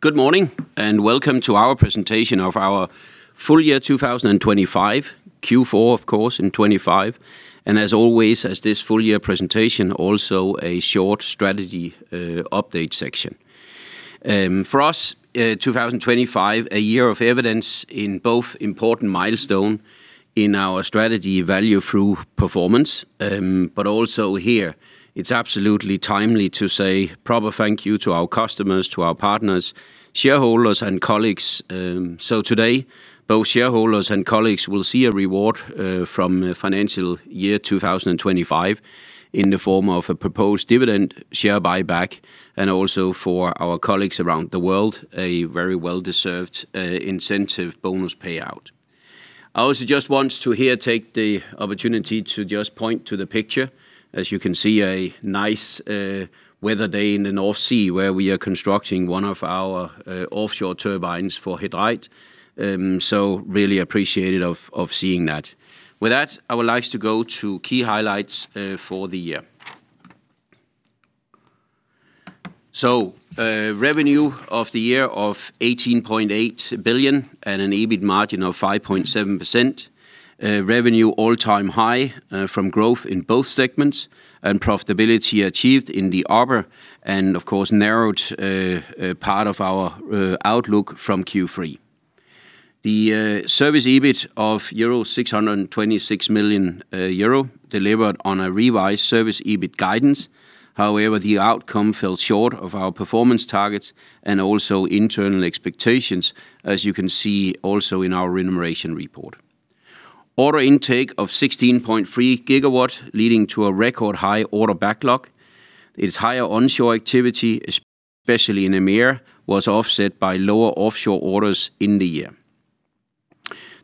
Good morning, and welcome to our presentation of our full year 2025, Q4, of course, in 2025. And as always, as this full year presentation, also a short strategy update section. For us, 2025, a year of evidence in both important milestone in our strategy Value through Performance. But also here, it's absolutely timely to say proper thank you to our customers, to our partners, shareholders, and colleagues. So today, both shareholders and colleagues will see a reward from the financial year 2025 in the form of a proposed dividend share buyback, and also for our colleagues around the world, a very well-deserved incentive bonus payout. I also just want to here take the opportunity to just point to the picture. As you can see, a nice weather day in the North Sea, where we are constructing one of our offshore turbines for He Dreiht. So really appreciated of seeing that. With that, I would like to go to key highlights for the year. So, revenue of the year of 18.8 billion and an EBIT margin of 5.7%. Revenue all-time high from growth in both segments, and profitability achieved in the Service, and of course, narrowed part of our outlook from Q3. The service EBIT of 626 million euro delivered on a revised service EBIT guidance. However, the outcome fell short of our performance targets and also internal expectations, as you can see also in our remuneration report. Order intake of 16.3 GW, leading to a record high order backlog. Its higher onshore activity, especially in Americas, was offset by lower offshore orders in the year.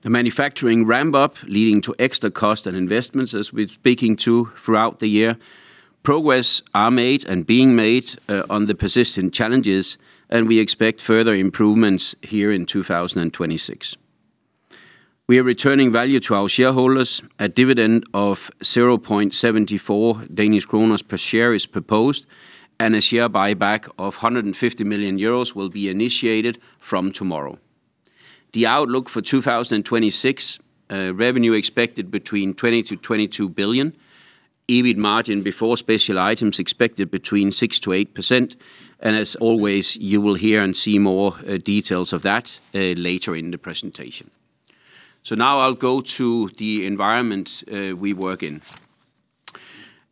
The manufacturing ramp up, leading to extra cost and investments, as we're speaking to throughout the year. Progress are made and being made on the persistent challenges, and we expect further improvements here in 2026. We are returning value to our shareholders. A dividend of 0.74 Danish kroner per share is proposed, and a share buyback of 150 million euros will be initiated from tomorrow. The outlook for 2026, revenue expected between 20-22 billion. EBIT margin before special items expected between 6%-8%, and as always, you will hear and see more details of that later in the presentation. So now I'll go to the environment we work in.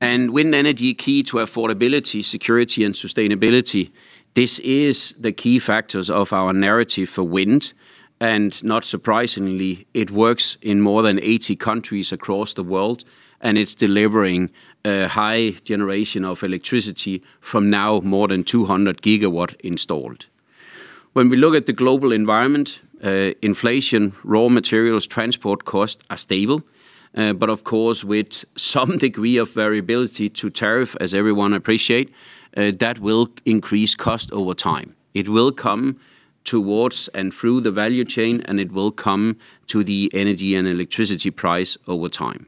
And wind energy, key to affordability, security, and sustainability, this is the key factors of our narrative for wind. And not surprisingly, it works in more than 80 countries across the world, and it's delivering a high generation of electricity from now more than 200 GW installed. When we look at the global environment, inflation, raw materials, transport costs are stable, but of course, with some degree of variability to tariff, as everyone appreciate, that will increase cost over time. It will come towards and through the value chain, and it will come to the energy and electricity price over time.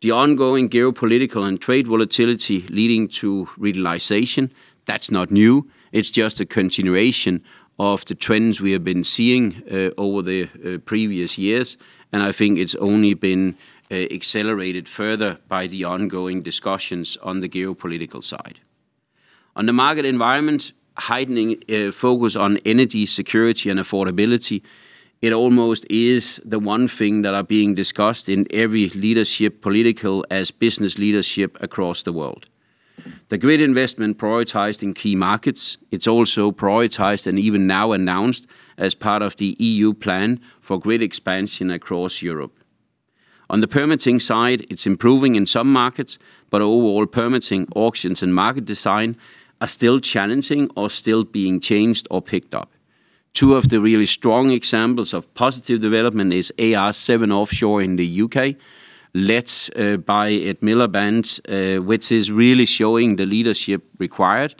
The ongoing geopolitical and trade volatility leading to regionalization, that's not new. It's just a continuation of the trends we have been seeing, over the, previous years, and I think it's only been, accelerated further by the ongoing discussions on the geopolitical side. On the market environment, heightening, focus on energy security and affordability, it almost is the one thing that are being discussed in every leadership, political as business leadership across the world. The grid investment prioritized in key markets, it's also prioritized and even now announced as part of the EU plan for grid expansion across Europe. On the permitting side, it's improving in some markets, but overall, permitting, auctions, and market design are still challenging or still being changed or picked up. Two of the really strong examples of positive development is AR7 offshore in the UK, led, by Ed Miliband, which is really showing the leadership required.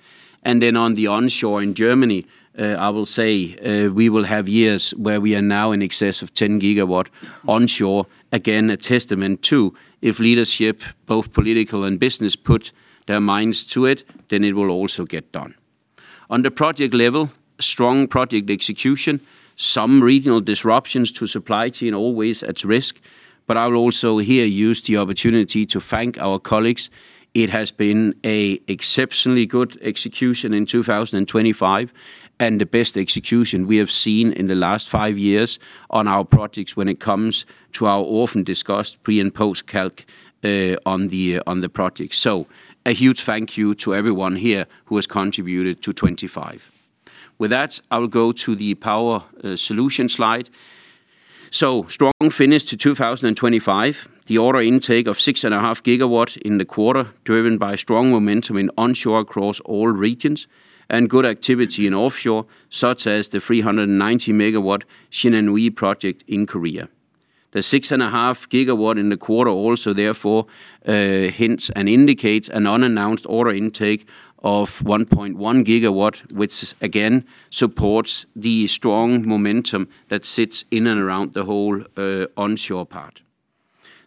Then on the onshore in Germany, I will say, we will have years where we are now in excess of 10 GW onshore. Again, a testament to if leadership, both political and business, put their minds to it, then it will also get done. On the project level, strong project execution, some regional disruptions to supply chain, always at risk. But I will also here use the opportunity to thank our colleagues. It has been a exceptionally good execution in 2025, and the best execution we have seen in the last five years on our projects when it comes to our often discussed pre- and post-calc, on the, on the project. So a huge thank you to everyone here who has contributed to 2025. With that, I will go to the Power Solutions slide. Strong finish to 2025, the order intake of 6.5 GW in the quarter, driven by strong momentum in onshore across all regions, and good activity in offshore, such as the 390-MW Shinan-Ui project in Korea. The 6.5 GW in the quarter also therefore hints and indicates an unannounced order intake of 1.1 GW, which again supports the strong momentum that sits in and around the whole onshore part.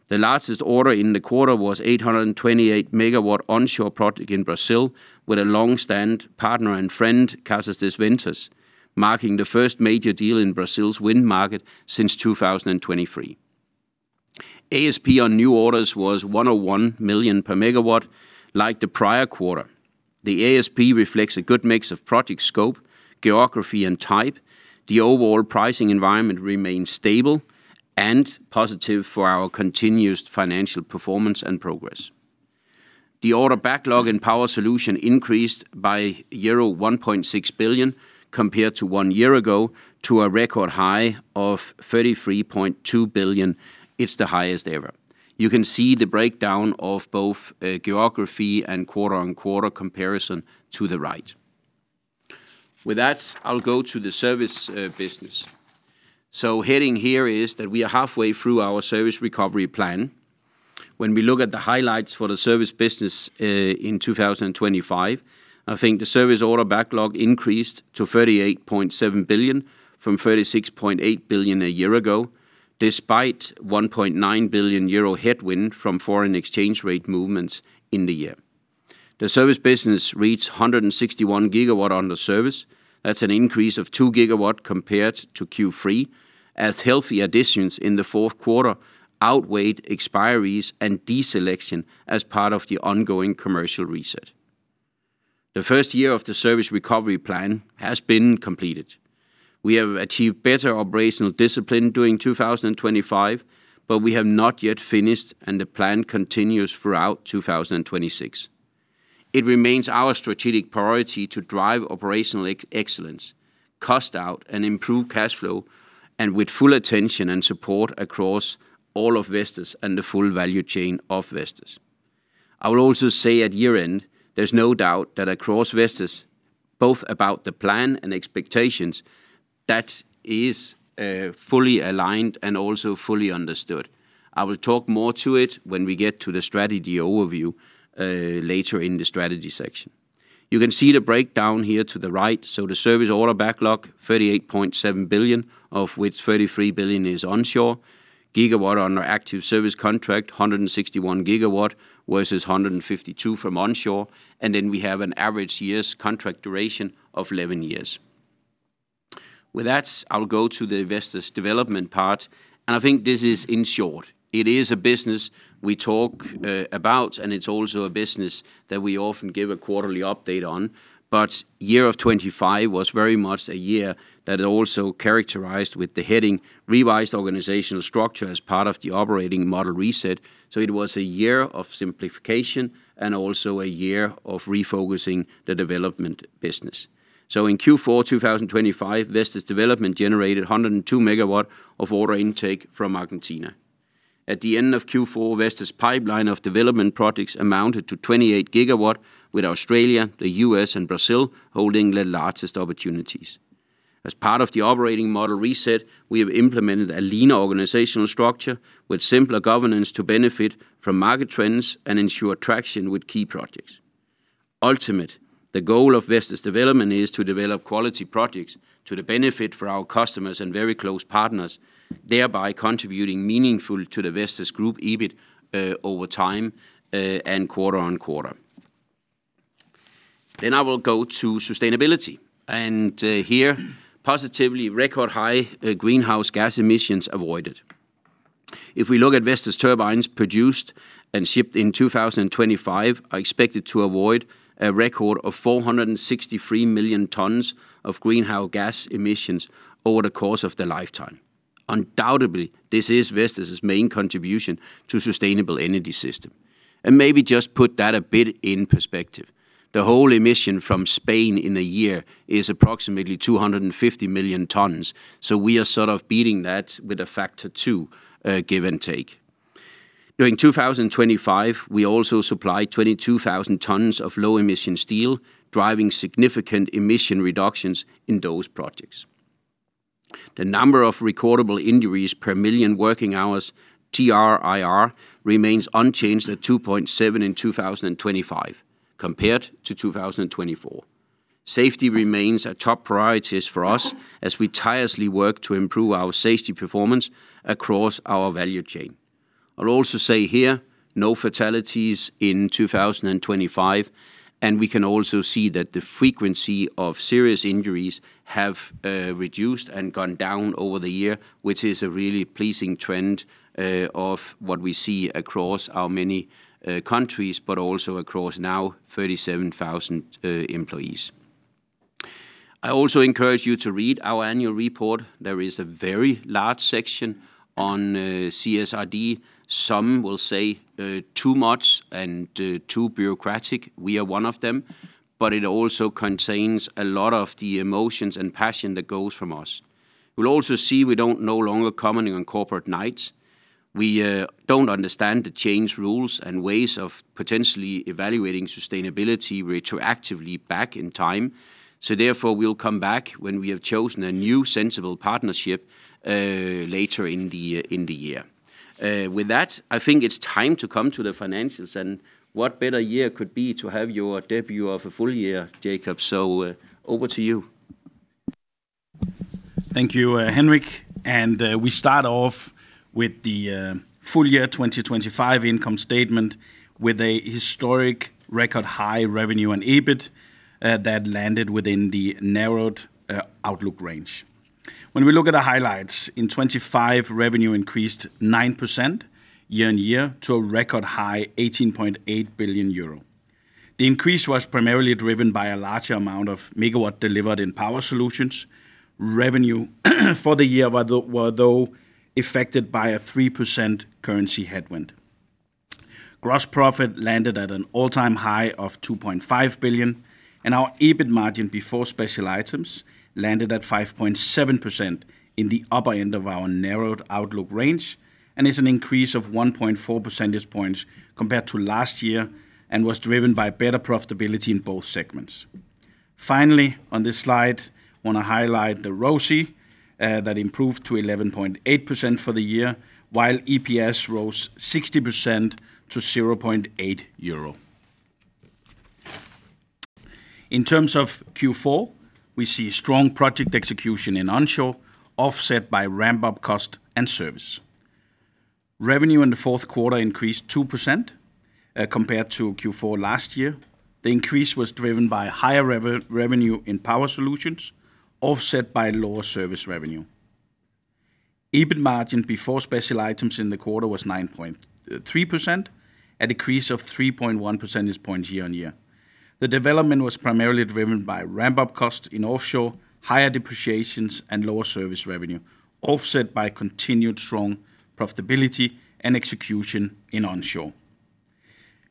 The largest order in the quarter was 828-MW onshore project in Brazil, with a long-standing partner and friend, Casa dos Ventos, marking the first major deal in Brazil's wind market since 2023. ASP on new orders was 101 million per MW, like the prior quarter. The ASP reflects a good mix of project scope, geography, and type. The overall pricing environment remains stable and positive for our continuous financial performance and progress. The order backlog and power solution increased by euro 1.6 billion, compared to one year ago, to a record high of 33.2 billion. It's the highest ever. You can see the breakdown of both, geography and quarter-on-quarter comparison to the right. With that, I'll go to the service, business. So heading here is that we are halfway through our service recovery plan. When we look at the highlights for the service business, in 2025, I think the service order backlog increased to 38.7 billion, from 36.8 billion a year ago, despite 1.9 billion euro headwind from foreign exchange rate movements in the year. The service business reached 161 GW on service. That's an increase of 2 GW compared to Q3, as healthy additions in the fourth quarter outweighed expiries and deselection as part of the ongoing commercial reset. The first year of the service recovery plan has been completed. We have achieved better operational discipline during 2025, but we have not yet finished, and the plan continues throughout 2026. It remains our strategic priority to drive operational excellence, cost out, and improve cash flow, and with full attention and support across all of Vestas and the full value chain of Vestas. I will also say at year-end, there's no doubt that across Vestas, both about the plan and expectations, that is, fully aligned and also fully understood. I will talk more to it when we get to the strategy overview, later in the strategy section. You can see the breakdown here to the right, so the service order backlog, 38.7 billion, of which 33 billion is onshore. 161 GW on our active service contract, 161 GW versus 152 GW from onshore, and then we have an average years contract duration of 11 years. With that, I'll go to the Vestas Development part, and I think this is in short. It is a business we talk about, and it's also a business that we often give a quarterly update on. But 2025 was very much a year that also characterized with the heading, Revised Organizational Structure as part of the operating model reset, so it was a year of simplification and also a year of refocusing the development business. So in Q4 2025, Vestas Development generated 102 MW of order intake from Argentina. At the end of Q4, Vestas' pipeline of development projects amounted to 28 GW, with Australia, the US, and Brazil holding the largest opportunities. As part of the operating model reset, we have implemented a lean organizational structure with simpler governance to benefit from market trends and ensure traction with key projects. Ultimately, the goal of Vestas Development is to develop quality projects to the benefit for our customers and very close partners, thereby contributing meaningfully to the Vestas Group EBIT over time, and quarter-on-quarter. Then I will go to sustainability, and here, positively record high, greenhouse gas emissions avoided. If we look at Vestas turbines produced and shipped in 2025, are expected to avoid a record of 463 million tons of greenhouse gas emissions over the course of their lifetime. Undoubtedly, this is Vestas' main contribution to sustainable energy system. Maybe just put that a bit in perspective. The whole emission from Spain in a year is approximately 250 million tons, so we are sort of beating that with a factor two, give and take. During 2025, we also supplied 22,000 tons of low-emission steel, driving significant emission reductions in those projects. The number of recordable injuries per million working hours, TRIR, remains unchanged at 2.7 in 2025, compared to 2024. Safety remains a top priority for us, as we tirelessly work to improve our safety performance across our value chain. I'll also say here, no fatalities in 2025, and we can also see that the frequency of serious injuries have reduced and gone down over the year, which is a really pleasing trend, of what we see across our many countries, but also across now 37,000 employees. I also encourage you to read our annual report. There is a very large section on CSRD. Some will say too much and too bureaucratic. We are one of them. But it also contains a lot of the emotions and passion that goes from us. We'll also see we don't no longer commenting on Corporate Knights. We don't understand the change rules and ways of potentially evaluating sustainability retroactively back in time. So therefore, we'll come back when we have chosen a new sensible partnership, later in the year. With that, I think it's time to come to the finances, and what better year could be to have your debut of a full year, Jakob? So, over to you.... Thank you, Henrik. We start off with the full year 2025 income statement with a historic record high revenue and EBIT that landed within the narrowed outlook range. When we look at the highlights, in 2025, revenue increased 9% year-on-year to a record high 18.8 billion euro. The increase was primarily driven by a larger amount of megawatt delivered in Power Solutions. Revenue for the year were though affected by a 3% currency headwind. Gross profit landed at an all-time high of 2.5 billion, and our EBIT margin before special items landed at 5.7% in the upper end of our narrowed outlook range, and is an increase of 1.4 percentage points compared to last year, and was driven by better profitability in both segments. Finally, on this slide, I want to highlight the ROCE that improved to 11.8% for the year, while EPS rose 60% to 0.8 EUR. In terms of Q4, we see strong project execution in onshore, offset by ramp-up cost and Service. Revenue in the fourth quarter increased 2%, compared to Q4 last year. The increase was driven by higher revenue in Power Solutions, offset by lower Service revenue. EBIT margin before special items in the quarter was 9.3%, a decrease of 3.1 percentage points year-on-year. The development was primarily driven by ramp-up costs in offshore, higher depreciations, and lower Service revenue, offset by continued strong profitability and execution in onshore.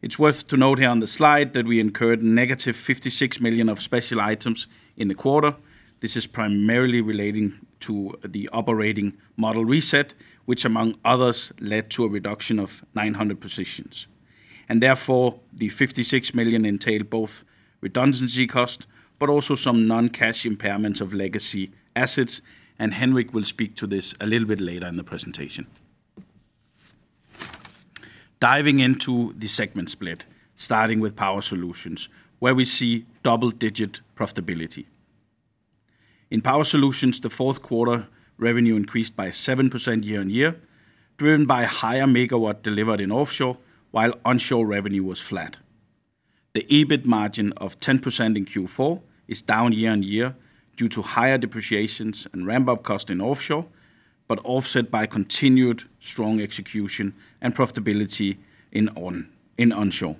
It's worth to note here on the slide that we incurred -56 million of special items in the quarter. This is primarily relating to the operating model reset, which among others, led to a reduction of 900 positions. And therefore, the 56 million entailed both redundancy cost, but also some non-cash impairments of legacy assets, and Henrik will speak to this a little bit later in the presentation. Diving into the segment split, starting with Power Solutions, where we see double-digit profitability. In Power Solutions, the fourth quarter revenue increased by 7% year-on-year, driven by higher megawatt delivered in offshore, while onshore revenue was flat. The EBIT margin of 10% in Q4 is down year-on-year due to higher depreciations and ramp-up cost in offshore, but offset by continued strong execution and profitability in onshore.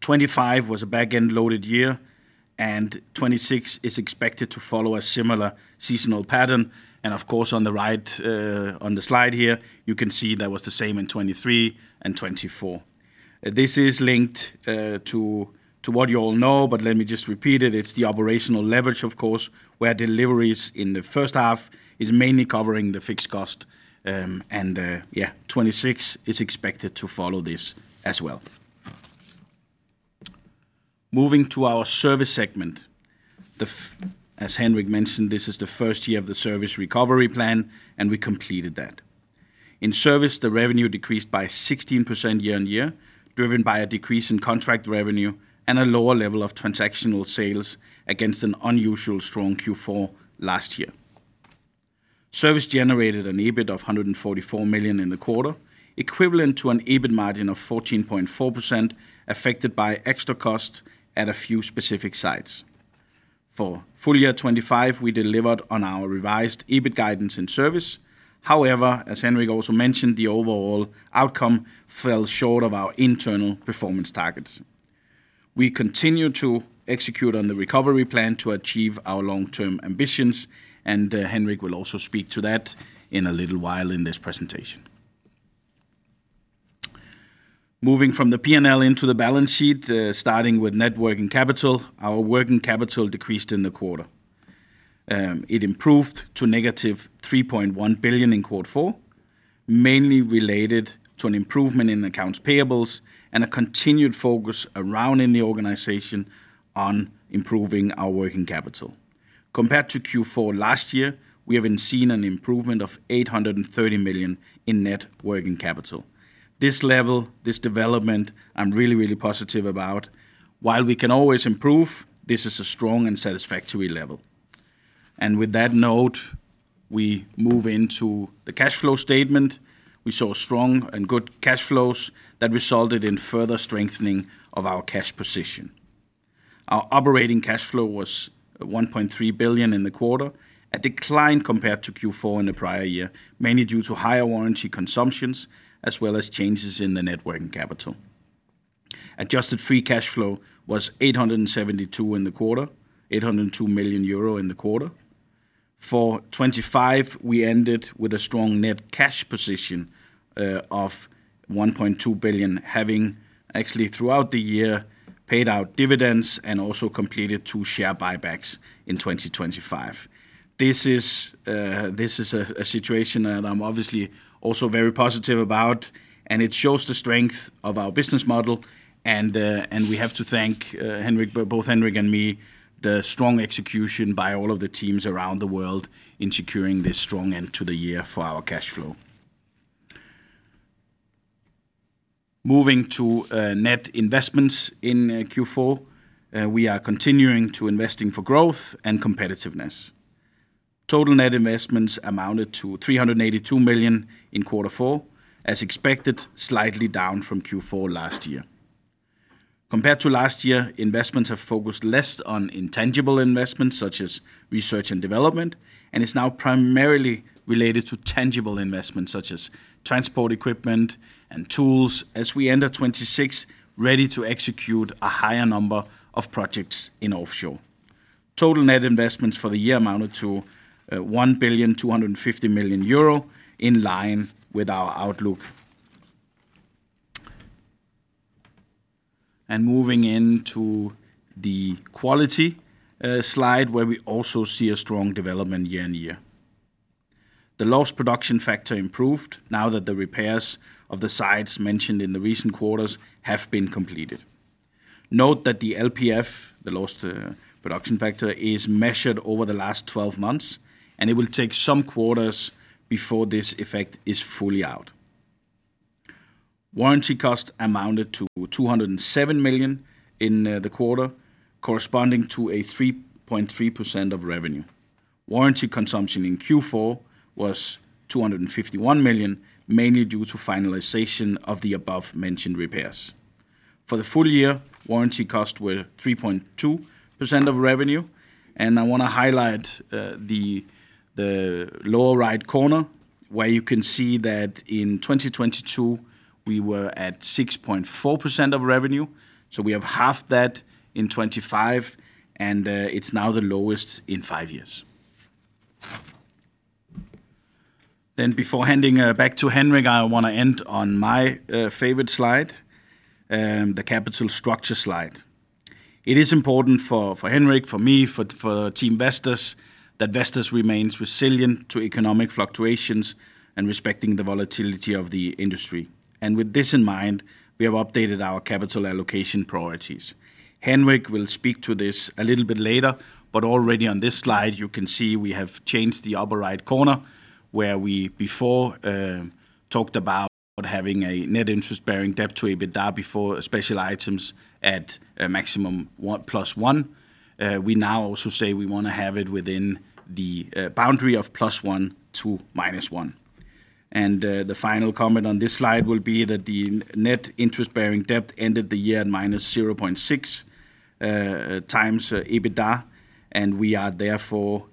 2025 was a back-end loaded year, and 2026 is expected to follow a similar seasonal pattern. Of course, on the right, on the slide here, you can see that was the same in 2023 and 2024. This is linked to what you all know, but let me just repeat it. It's the operational leverage, of course, where deliveries in the first half is mainly covering the fixed cost. And, yeah, 2026 is expected to follow this as well. Moving to our service segment, as Henrik mentioned, this is the first year of the service recovery plan, and we completed that. In service, the revenue decreased by 16% year-on-year, driven by a decrease in contract revenue and a lower level of transactional sales against an unusual strong Q4 last year. Service generated an EBIT of 144 million in the quarter, equivalent to an EBIT margin of 14.4%, affected by extra cost at a few specific sites. For full year 2025, we delivered on our revised EBIT guidance and service. However, as Henrik also mentioned, the overall outcome fell short of our internal performance targets. We continue to execute on the recovery plan to achieve our long-term ambitions, and Henrik will also speak to that in a little while in this presentation. Moving from the P&L into the balance sheet, starting with net working capital, our working capital decreased in the quarter. It improved to negative 3.1 billion in quarter four, mainly related to an improvement in accounts payables and a continued focus around in the organization on improving our working capital. Compared to Q4 last year, we have been seeing an improvement of 830 million in net working capital. This level, this development, I'm really, really positive about. While we can always improve, this is a strong and satisfactory level. And with that note, we move into the cash flow statement. We saw strong and good cash flows that resulted in further strengthening of our cash position. Our operating cash flow was 1.3 billion in the quarter, a decline compared to Q4 in the prior year, mainly due to higher warranty consumptions, as well as changes in the net working capital. Adjusted free cash flow was 872 in the quarter, 802 million euro in the quarter. For 2025, we ended with a strong net cash position of 1.2 billion, having actually throughout the year paid out dividends and also completed two share buybacks in 2025. This is a situation that I'm obviously also very positive about, and it shows the strength of our business model, and we have to thank both Henrik and me, the strong execution by all of the teams around the world in securing this strong end to the year for our cash flow. Moving to net investments in Q4, we are continuing to investing for growth and competitiveness. Total net investments amounted to 382 million in quarter four, as expected, slightly down from Q4 last year. Compared to last year, investments have focused less on intangible investments, such as research and development, and is now primarily related to tangible investments such as transport equipment and tools, as we enter 2026, ready to execute a higher number of projects in offshore. Total net investments for the year amounted to 1.25 billion euro, in line with our outlook. Moving into the quality slide, where we also see a strong development year-over-year. The lost production factor improved now that the repairs of the sites mentioned in the recent quarters have been completed. Note that the LPF, the lost production factor, is measured over the last twelve months, and it will take some quarters before this effect is fully out. Warranty cost amounted to 207 million in the quarter, corresponding to 3.3% of revenue. Warranty consumption in Q4 was 251 million, mainly due to finalization of the above-mentioned repairs. For the full year, warranty costs were 3.2% of revenue, and I wanna highlight the lower right corner, where you can see that in 2022, we were at 6.4% of revenue. So we have halved that in 2025, and it's now the lowest in five years. Then before handing back to Henrik, I wanna end on my favorite slide, the capital structure slide. It is important for Henrik, for me, for Team Vestas, that Vestas remains resilient to economic fluctuations and respecting the volatility of the industry. And with this in mind, we have updated our capital allocation priorities. Henrik will speak to this a little bit later, but already on this slide, you can see we have changed the upper right corner, where we before talked about having a net interest-bearing debt to EBITDA before special items at a maximum 1+1. We now also say we wanna have it within the boundary of +1 to -1. And the final comment on this slide will be that the net interest-bearing debt ended the year at -0.6 times EBITDA, and we are therefore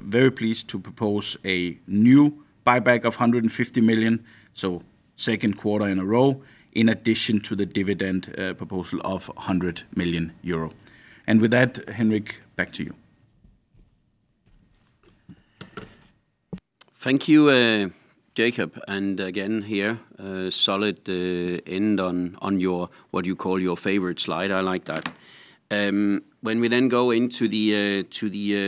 very pleased to propose a new buyback of 150 million, so second quarter in a row, in addition to the dividend proposal of 100 million euro. And with that, Henrik, back to you. Thank you, Jakob, and again, here, a solid end on your what you call your favorite slide. I like that. When we then go into the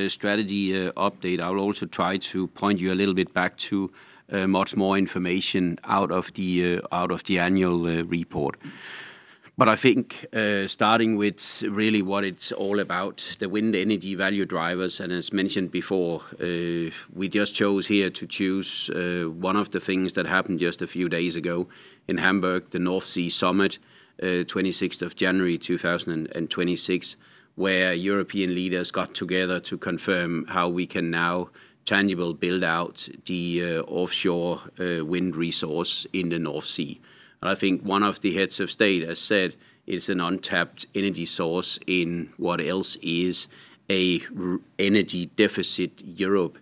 strategy update, I will also try to point you a little bit back to much more information out of the annual report. But I think, starting with really what it's all about, the wind energy value drivers, and as mentioned before, we just chose here to choose one of the things that happened just a few days ago in Hamburg, the North Sea Summit, 26th of January, 2026, where European leaders got together to confirm how we can now tangibly build out the offshore wind resource in the North Sea. I think one of the heads of state has said it's an untapped energy source in what else is a renewable energy deficit Europe,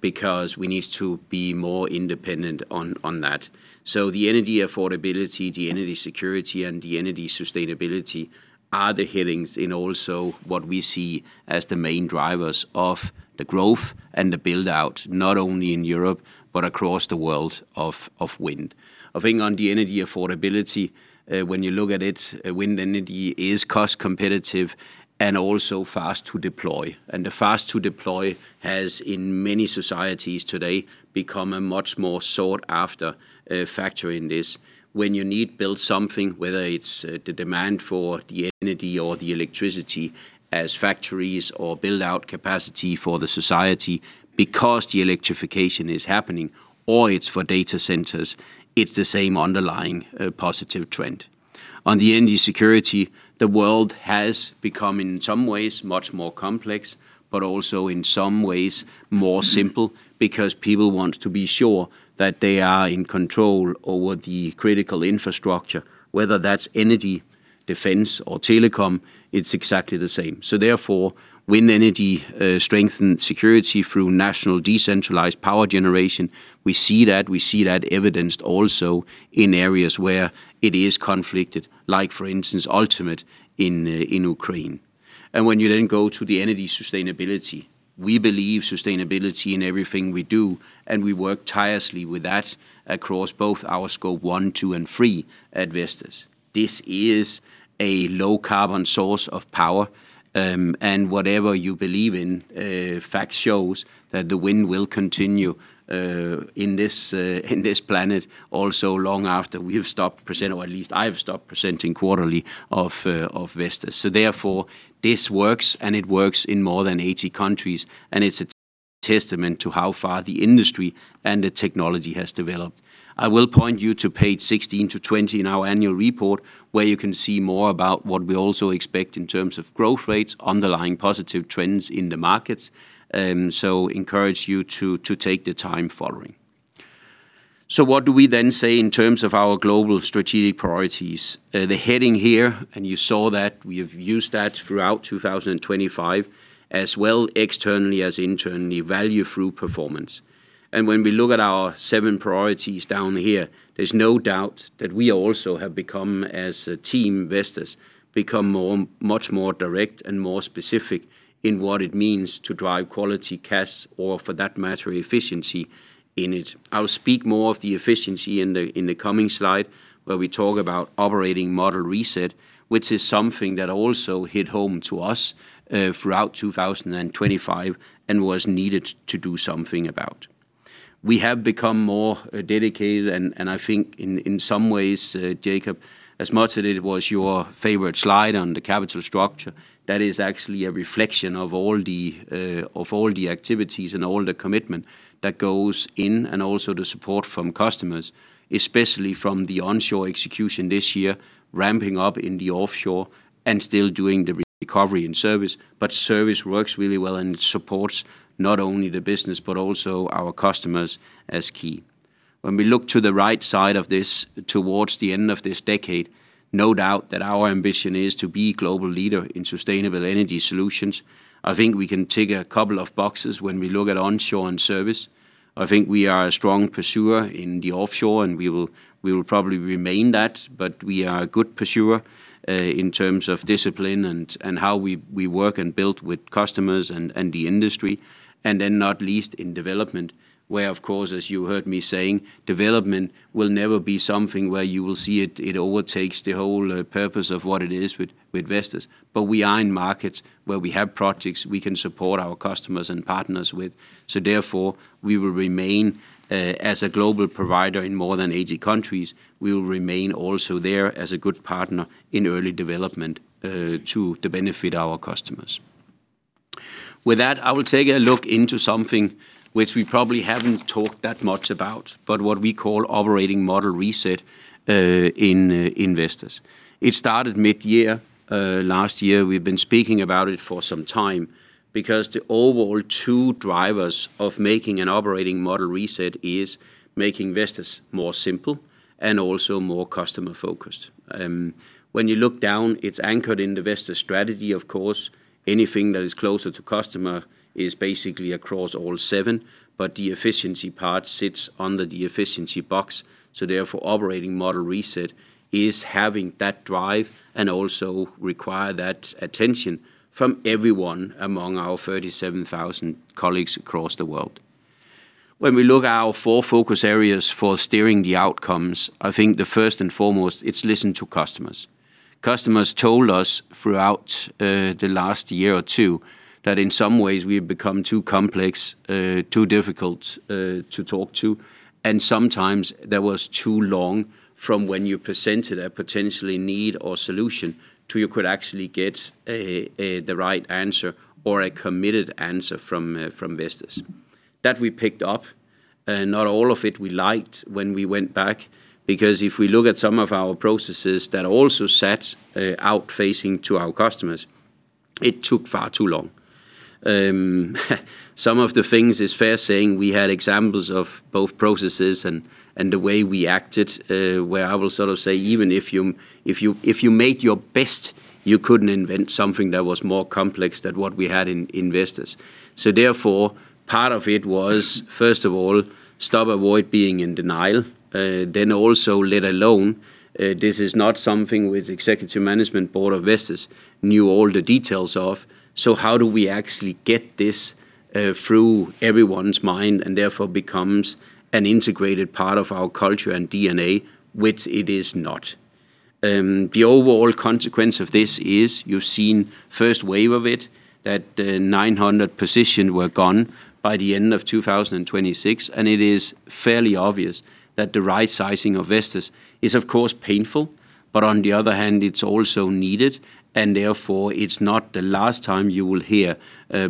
because we need to be more independent on, on that. So the energy affordability, the energy security, and the energy sustainability are the headings in also what we see as the main drivers of the growth and the build-out, not only in Europe, but across the world of, of wind. I think on the energy affordability, when you look at it, wind energy is cost competitive and also fast to deploy. The fast to deploy has, in many societies today, become a much more sought-after, factor in this. When you need build something, whether it's the demand for the energy or the electricity as factories, or build out capacity for the society because the electrification is happening, or it's for data centers, it's the same underlying positive trend. On the energy security, the world has become, in some ways, much more complex, but also in some ways more simple, because people want to be sure that they are in control over the critical infrastructure, whether that's energy, defense, or telecom, it's exactly the same. So therefore, wind energy strengthened security through national decentralized power generation, we see that. We see that evidenced also in areas where it is conflicted, like for instance, Tyligul in in Ukraine. When you then go to the energy sustainability, we believe sustainability in everything we do, and we work tirelessly with that across both our Scope 1, 2, and 3 at Vestas. This is a low-carbon source of power, and whatever you believe in, fact shows that the wind will continue in this planet also long after we have stopped presenting, or at least I've stopped presenting quarterly of Vestas. So therefore, this works, and it works in more than 80 countries, and it's a testament to how far the industry and the technology has developed. I will point you to page 16-20 in our annual report, where you can see more about what we also expect in terms of growth rates, underlying positive trends in the markets, so encourage you to take the time following. So what do we then say in terms of our global strategic priorities? The heading here, and you saw that, we have used that throughout 2025, as well externally as internally, Value through Performance. And when we look at our seven priorities down here, there's no doubt that we also have become, as a team, Vestas, become more, much more direct and more specific in what it means to drive quality, costs, or for that matter, efficiency in it. I'll speak more of the efficiency in the coming slide, where we talk about operating model reset, which is something that also hit home to us throughout 2025 and was needed to do something about. We have become more dedicated, and I think in some ways, Jakob, as much as it was your favorite slide on the capital structure, that is actually a reflection of all the activities and all the commitment that goes in, and also the support from customers, especially from the onshore execution this year, ramping up in the offshore and still doing the recovery and service. But service works really well, and it supports not only the business, but also our customers as key. When we look to the right side of this, towards the end of this decade, no doubt that our ambition is to be global leader in sustainable energy solutions. I think we can tick a couple of boxes when we look at onshore and service. I think we are a strong pursuer in the offshore, and we will probably remain that, but we are a good pursuer in terms of discipline and how we work and build with customers and the industry, and then not least in development, where, of course, as you heard me saying, development will never be something where you will see it overtake the whole purpose of what it is with Vestas. But we are in markets where we have projects we can support our customers and partners with, so therefore, we will remain as a global provider in more than 80 countries. We will remain also there as a good partner in early development to the benefit our customers. With that, I will take a look into something which we probably haven't talked that much about, but what we call Operating Model Reset in Vestas. It started mid-year last year. We've been speaking about it for some time, because the overall two drivers of making an operating model reset is making Vestas more simple and also more customer-focused. When you look down, it's anchored in the Vestas strategy, of course. Anything that is closer to customer is basically across all seven, but the efficiency part sits under the efficiency box, so therefore, Operating Model Reset is having that drive and also require that attention from everyone among our 37,000 colleagues across the world. When we look our four focus areas for steering the outcomes, I think the first and foremost, it's listen to customers. Customers told us throughout the last year or two that in some ways we've become too complex, too difficult to talk to, and sometimes there was too long from when you presented a potential need or solution to when you could actually get the right answer or a committed answer from Vestas. That we picked up, not all of it we liked when we went back, because if we look at some of our processes that also sets out facing to our customers, it took far too long. Some of the things is fair saying we had examples of both processes and the way we acted, where I will sort of say, even if you made your best, you couldn't invent something that was more complex than what we had in Vestas. So therefore, part of it was, first of all, stop, avoid being in denial, then also let alone, this is not something with executive management board of Vestas knew all the details of, so how do we actually get this, through everyone's mind, and therefore, becomes an integrated part of our culture and DNA, which it is not? The overall consequence of this is you've seen first wave of it, that 900 positions were gone by the end of 2026, and it is fairly obvious that the right sizing of Vestas is, of course, painful, but on the other hand, it's also needed, and therefore, it's not the last time you will hear,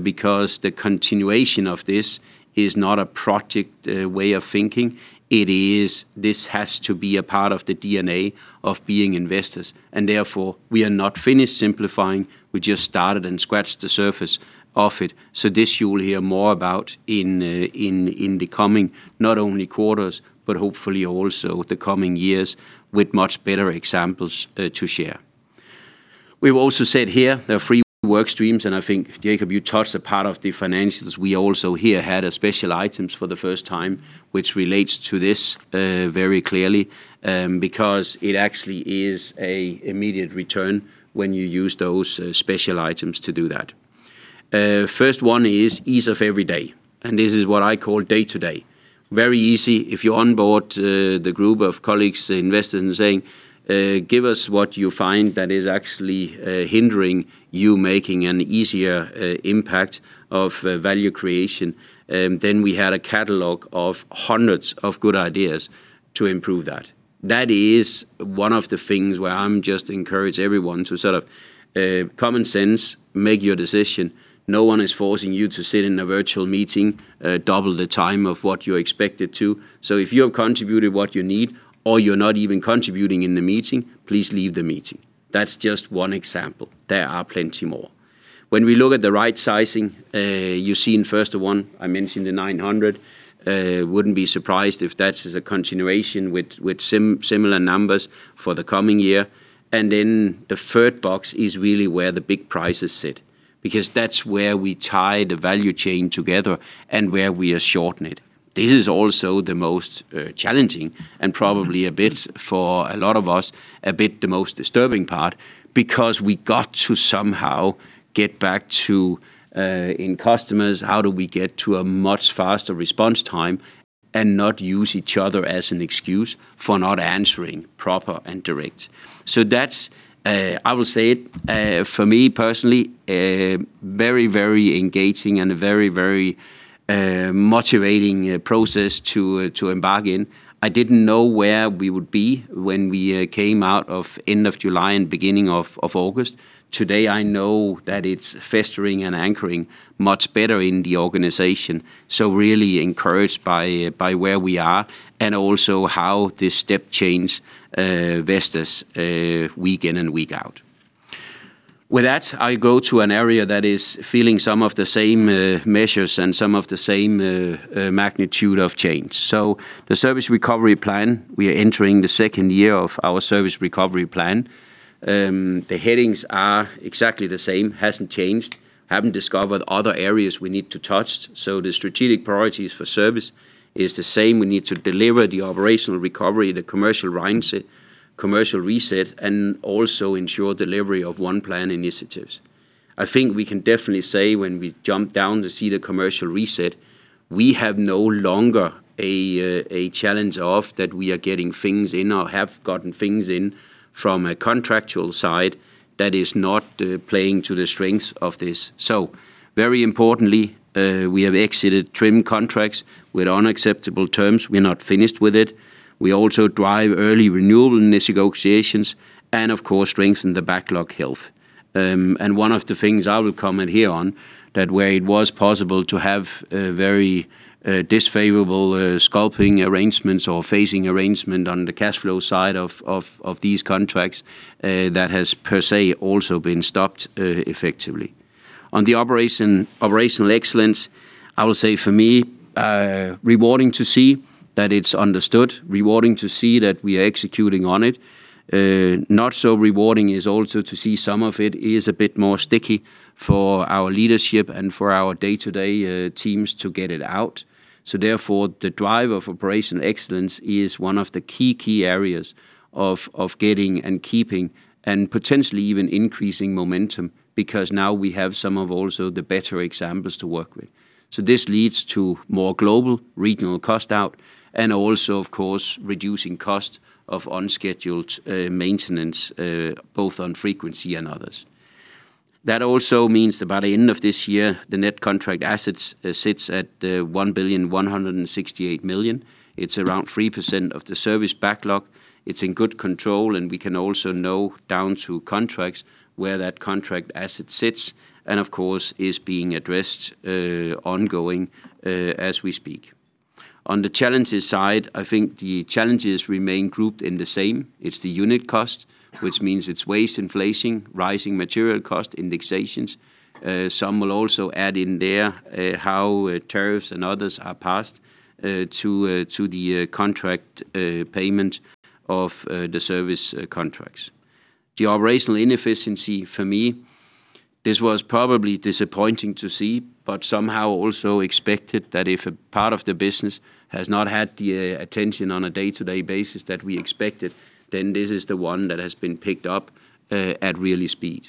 because the continuation of this is not a project way of thinking. It is... This has to be a part of the DNA of being in Vestas, and therefore, we are not finished simplifying. We just started and scratched the surface of it. So this you will hear more about in, in the coming not only quarters, but hopefully also the coming years, with much better examples, to share. We've also said here there are three work streams, and I think, Jakob, you touched a part of the financials. We also here had a special items for the first time, which relates to this, very clearly, because it actually is a immediate return when you use those, special items to do that. First one is ease of every day, and this is what I call day-to-day. Very easy, if you onboard the group of colleagues in Vestas and saying, "Give us what you find that is actually hindering you making an easier impact of value creation," then we had a catalog of hundreds of good ideas to improve that. That is one of the things where I'm just encourage everyone to sort of common sense, make your decision. No one is forcing you to sit in a virtual meeting double the time of what you're expected to. So if you have contributed what you need or you're not even contributing in the meeting, please leave the meeting. That's just one example. There are plenty more. When we look at the right sizing, you see in first one, I mentioned the 900, wouldn't be surprised if that is a continuation with, with similar numbers for the coming year. And then the third box is really where the big prices sit, because that's where we tie the value chain together and where we are shortening it. This is also the most challenging and probably a bit, for a lot of us, a bit the most disturbing part, because we got to somehow get back to, in customers, how do we get to a much faster response time and not use each other as an excuse for not answering proper and direct? So that's, I will say it, for me personally, a very, very engaging and a very, very, motivating, process to, to embark in. I didn't know where we would be when we came out of end of July and beginning of August. Today, I know that it's festering and anchoring much better in the organization, so really encouraged by where we are and also how this step change Vestas week in and week out. With that, I go to an area that is feeling some of the same measures and some of the same magnitude of change. So the service recovery plan, we are entering the second year of our service recovery plan. The headings are exactly the same. Hasn't changed. Haven't discovered other areas we need to touch, so the strategic priorities for service is the same. We need to deliver the operational recovery, the commercial reset, and also ensure delivery of one-plan initiatives. I think we can definitely say when we jump down to see the commercial reset, we have no longer a challenge of that we are getting things in or have gotten things in from a contractual side that is not playing to the strengths of this. So very importantly, we have exited trim contracts with unacceptable terms. We are not finished with it. We also drive early renewal negotiations and of course, strengthen the backlog health. And one of the things I will comment here on, that where it was possible to have a very unfavorable sculpting arrangements or phasing arrangement on the cash flow side of these contracts, that has per se also been stopped effectively. On the operational excellence, I will say for me, rewarding to see that it's understood, rewarding to see that we are executing on it. Not so rewarding is also to see some of it is a bit more sticky for our leadership and for our day-to-day teams to get it out. So therefore, the drive of operational excellence is one of the key, key areas of getting and keeping and potentially even increasing momentum, because now we have some of also the better examples to work with. So this leads to more global regional cost out and also, of course, reducing cost of unscheduled maintenance, both on frequency and others. That also means that by the end of this year, the net contract assets sits at 1,168 million. It's around 3% of the service backlog. It's in good control, and we can also know down to contracts where that contract asset sits and of course, is being addressed, ongoing, as we speak. On the challenges side, I think the challenges remain grouped in the same. It's the unit cost, which means it's waste inflation, rising material cost, indexations. Some will also add in there, how tariffs and others are passed, to, to the, contract, payment of, the service, contracts. The operational inefficiency for me, this was probably disappointing to see, but somehow also expected that if a part of the business has not had the, attention on a day-to-day basis that we expected, then this is the one that has been picked up, at really speed.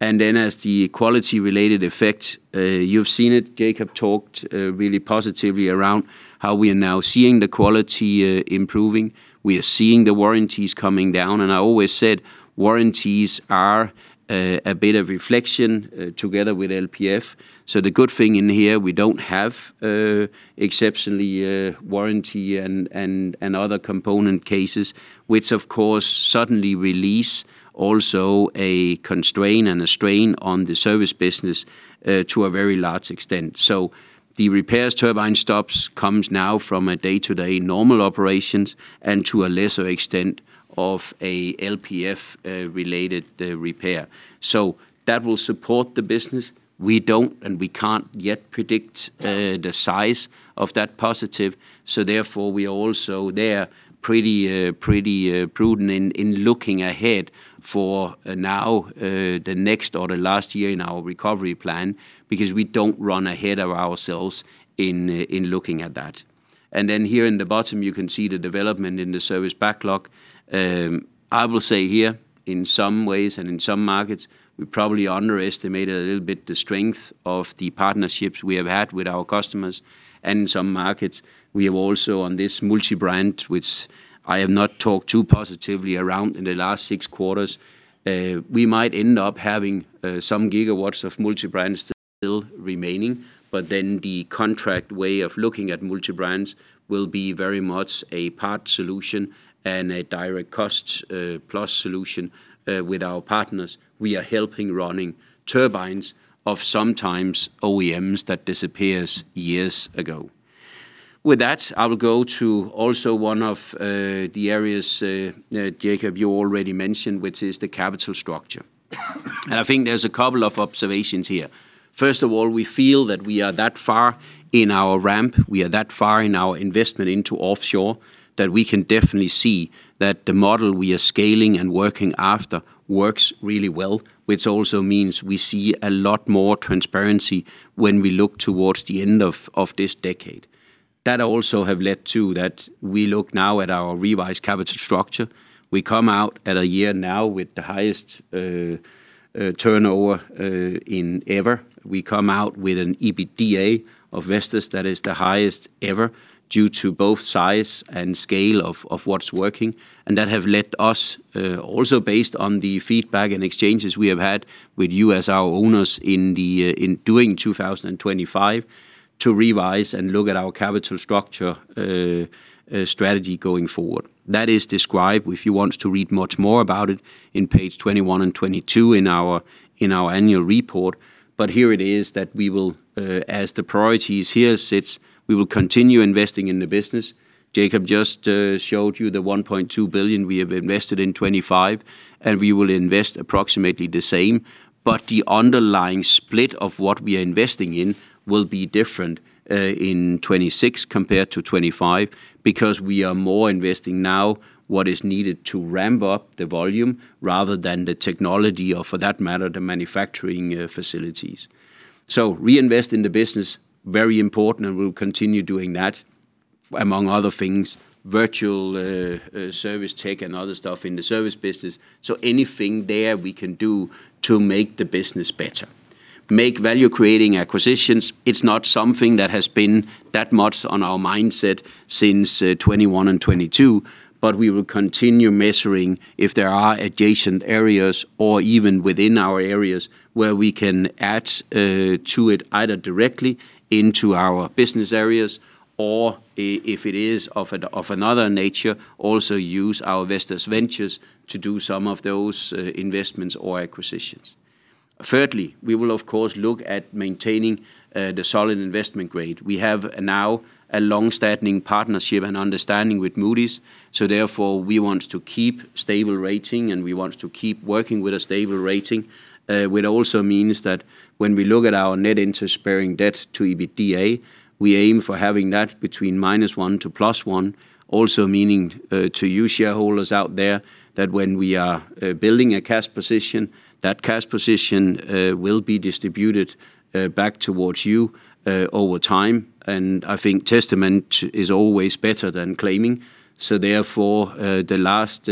And then as the quality-related effect, you've seen it, Jakob talked, really positively around how we are now seeing the quality, improving. We are seeing the warranties coming down, and I always said warranties are, a bit of reflection, together with LPF. So the good thing in here, we don't have, exceptionally, warranty and other component cases, which of course suddenly release also a constraint and a strain on the service business, to a very large extent. So the repairs turbine stops, comes now from a day-to-day normal operations and to a lesser extent of a LPF, related, repair. So that will support the business. We don't, and we can't yet predict, the size of that positive. So therefore, we are also there, pretty, pretty, prudent in looking ahead for now, the next or the last year in our recovery plan, because we don't run ahead of ourselves in looking at that. And then here in the bottom, you can see the development in the service backlog. I will say here, in some ways and in some markets, we probably underestimated a little bit the strength of the partnerships we have had with our customers and in some markets, we have also on this multi-brand, which I have not talked too positively around in the last six quarters. We might end up having some gigawatts of multi-brands still remaining, but then the contract way of looking at multi-brands will be very much a part solution and a direct cost, plus solution, with our partners. We are helping running turbines of sometimes OEMs that disappears years ago. With that, I will go to also one of the areas, Jakob, you already mentioned, which is the capital structure. I think there's a couple of observations here. First of all, we feel that we are that far in our ramp, we are that far in our investment into offshore, that we can definitely see that the model we are scaling and working after works really well, which also means we see a lot more transparency when we look towards the end of this decade. That also have led to that we look now at our revised capital structure. We come out at a year now with the highest turnover in ever. We come out with an EBITDA of Vestas that is the highest ever due to both size and scale of what's working. And that have led us, also based on the feedback and exchanges we have had with you as our owners in the, in doing 2025, to revise and look at our capital structure, strategy going forward. That is described, if you want to read much more about it, in page 21 and 22 in our, in our annual report. But here it is that we will, as the priorities here sits, we will continue investing in the business. Jakob just showed you the 1.2 billion we have invested in 2025, and we will invest approximately the same. But the underlying split of what we are investing in will be different, in 2026 compared to 2025, because we are more investing now what is needed to ramp up the volume rather than the technology, or for that matter, the manufacturing, facilities. So reinvest in the business, very important, and we'll continue doing that, among other things, virtual, service tech and other stuff in the service business, so anything there we can do to make the business better. Make value-creating acquisitions, it's not something that has been that much on our mindset since 2021 and 2022, but we will continue measuring if there are adjacent areas or even within our areas, where we can add to it, either directly into our business areas, or if it is of a, of another nature, also use our Vestas Ventures to do some of those investments or acquisitions. Thirdly, we will of course look at maintaining the solid investment grade. We have now a long-standing partnership and understanding with Moody's, so therefore we want to keep stable rating, and we want to keep working with a stable rating. Which also means that when we look at our net interest-bearing debt to EBITDA, we aim for having that between -1 to +1. Also meaning, to you shareholders out there, that when we are, building a cash position, that cash position, will be distributed, back towards you, over time. And I think testament is always better than claiming. So therefore, the last,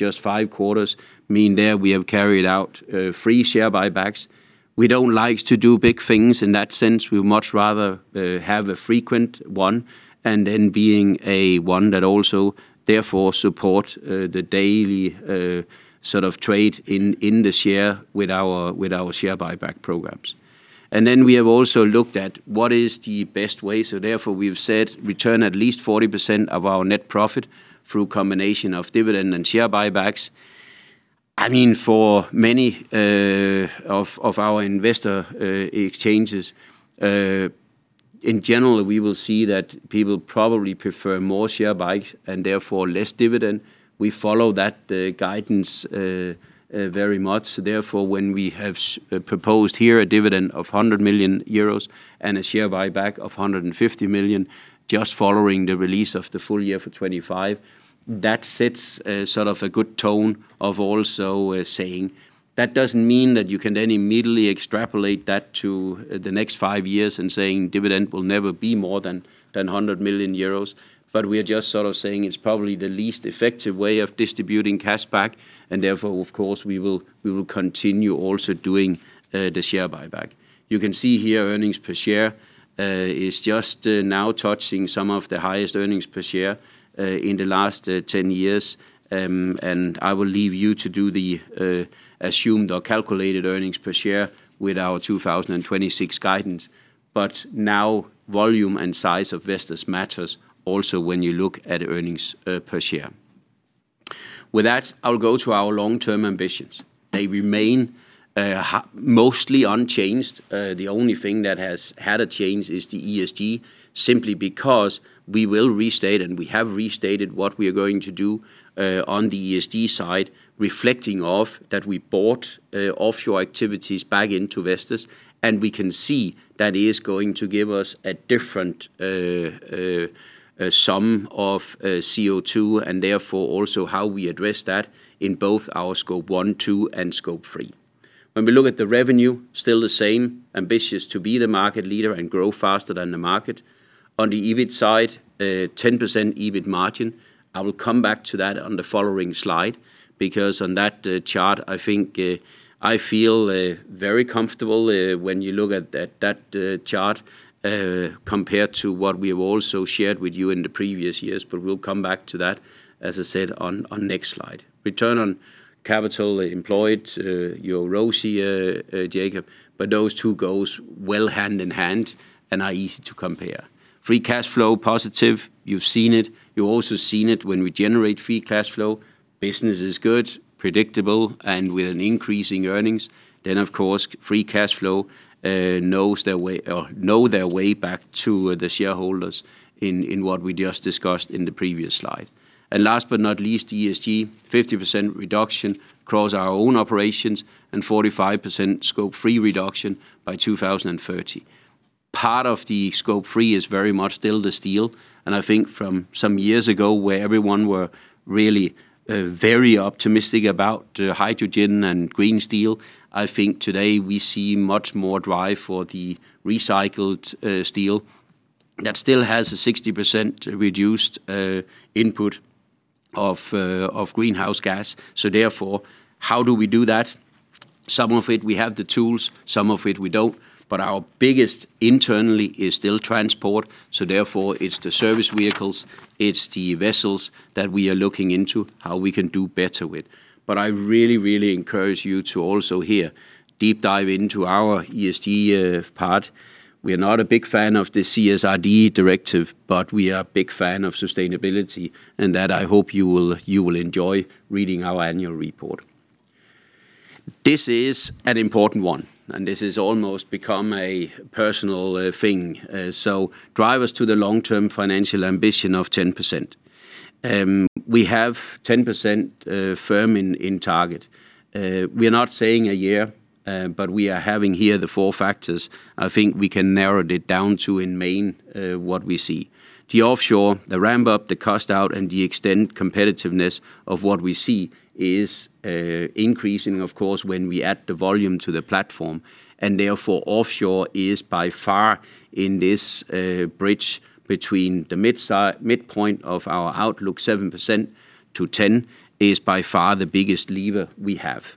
just 5 quarters mean there we have carried out, 3 share buybacks. We don't like to do big things in that sense. We would much rather, have a frequent one and then being a one that also therefore support, the daily, sort of trade in, in the share with our, with our share buyback programs. And then we have also looked at what is the best way, so therefore we've said return at least 40% of our net profit through combination of dividend and share buybacks. I mean, for many of our investor exchanges in general, we will see that people probably prefer more share buybacks and therefore less dividend. We follow that guidance very much. So therefore, when we have proposed here a dividend of 100 million euros and a share buyback of 150 million, just following the release of the full year for 2025, that sets sort of a good tone of also saying that doesn't mean that you can then immediately extrapolate that to the next five years and saying dividend will never be more than 100 million euros. But we are just sort of saying it's probably the least effective way of distributing cash back, and therefore, of course, we will continue also doing the share buyback. You can see here, earnings per share, is just, now touching some of the highest earnings per share, in the last, 10 years. And I will leave you to do the, assumed or calculated earnings per share with our 2026 guidance. But now, volume and size of Vestas matters also when you look at earnings, per share. With that, I'll go to our long-term ambitions. They remain, mostly unchanged. The only thing that has had a change is the ESG, simply because we will restate, and we have restated what we are going to do, on the ESG side, reflecting off that we bought, offshore activities back into Vestas, and we can see that is going to give us a different, sum of, CO2, and therefore, also how we address that in both our Scope 1, 2, and 3. When we look at the revenue, still the same, ambitious to be the market leader and grow faster than the market. On the EBIT side, 10% EBIT margin. I will come back to that on the following slide, because on that chart, I think I feel very comfortable when you look at that chart compared to what we have also shared with you in the previous years. But we'll come back to that, as I said, on next slide. Return on capital employed, your ROCE, Jakob, but those two goes well hand in hand and are easy to compare. Free cash flow, positive. You've seen it. You've also seen it when we generate free cash flow. Business is good, predictable, and with an increase in earnings, then of course, free cash flow knows their way or know their way back to the shareholders in what we just discussed in the previous slide. And last but not least, ESG, 50% reduction across our own operations and 45% Scope 3 reduction by 2030. Part of the Scope 3 is very much still the steel, and I think from some years ago, where everyone were really very optimistic about hydrogen and green steel, I think today we see much more drive for the recycled steel that still has a 60% reduced input of greenhouse gas. So therefore, how do we do that? Some of it, we have the tools, some of it we don't, but our biggest internally is still transport. So therefore, it's the service vehicles, it's the vessels that we are looking into, how we can do better with. But I really, really encourage you to also here, deep dive into our ESG part. We are not a big fan of the CSRD directive, but we are a big fan of sustainability, and that I hope you will enjoy reading our annual report. This is an important one, and this is almost become a personal thing. So drivers to the long-term financial ambition of 10%. We have 10%, firm in target. We are not saying a year, but we are having here the 4 factors. I think we can narrow it down to in main what we see. The offshore, the ramp up, the cost out, and the extent competitiveness of what we see is increasing, of course, when we add the volume to the platform, and therefore, offshore is by far in this bridge between the midpoint of our outlook, 7%-10%, is by far the biggest lever we have.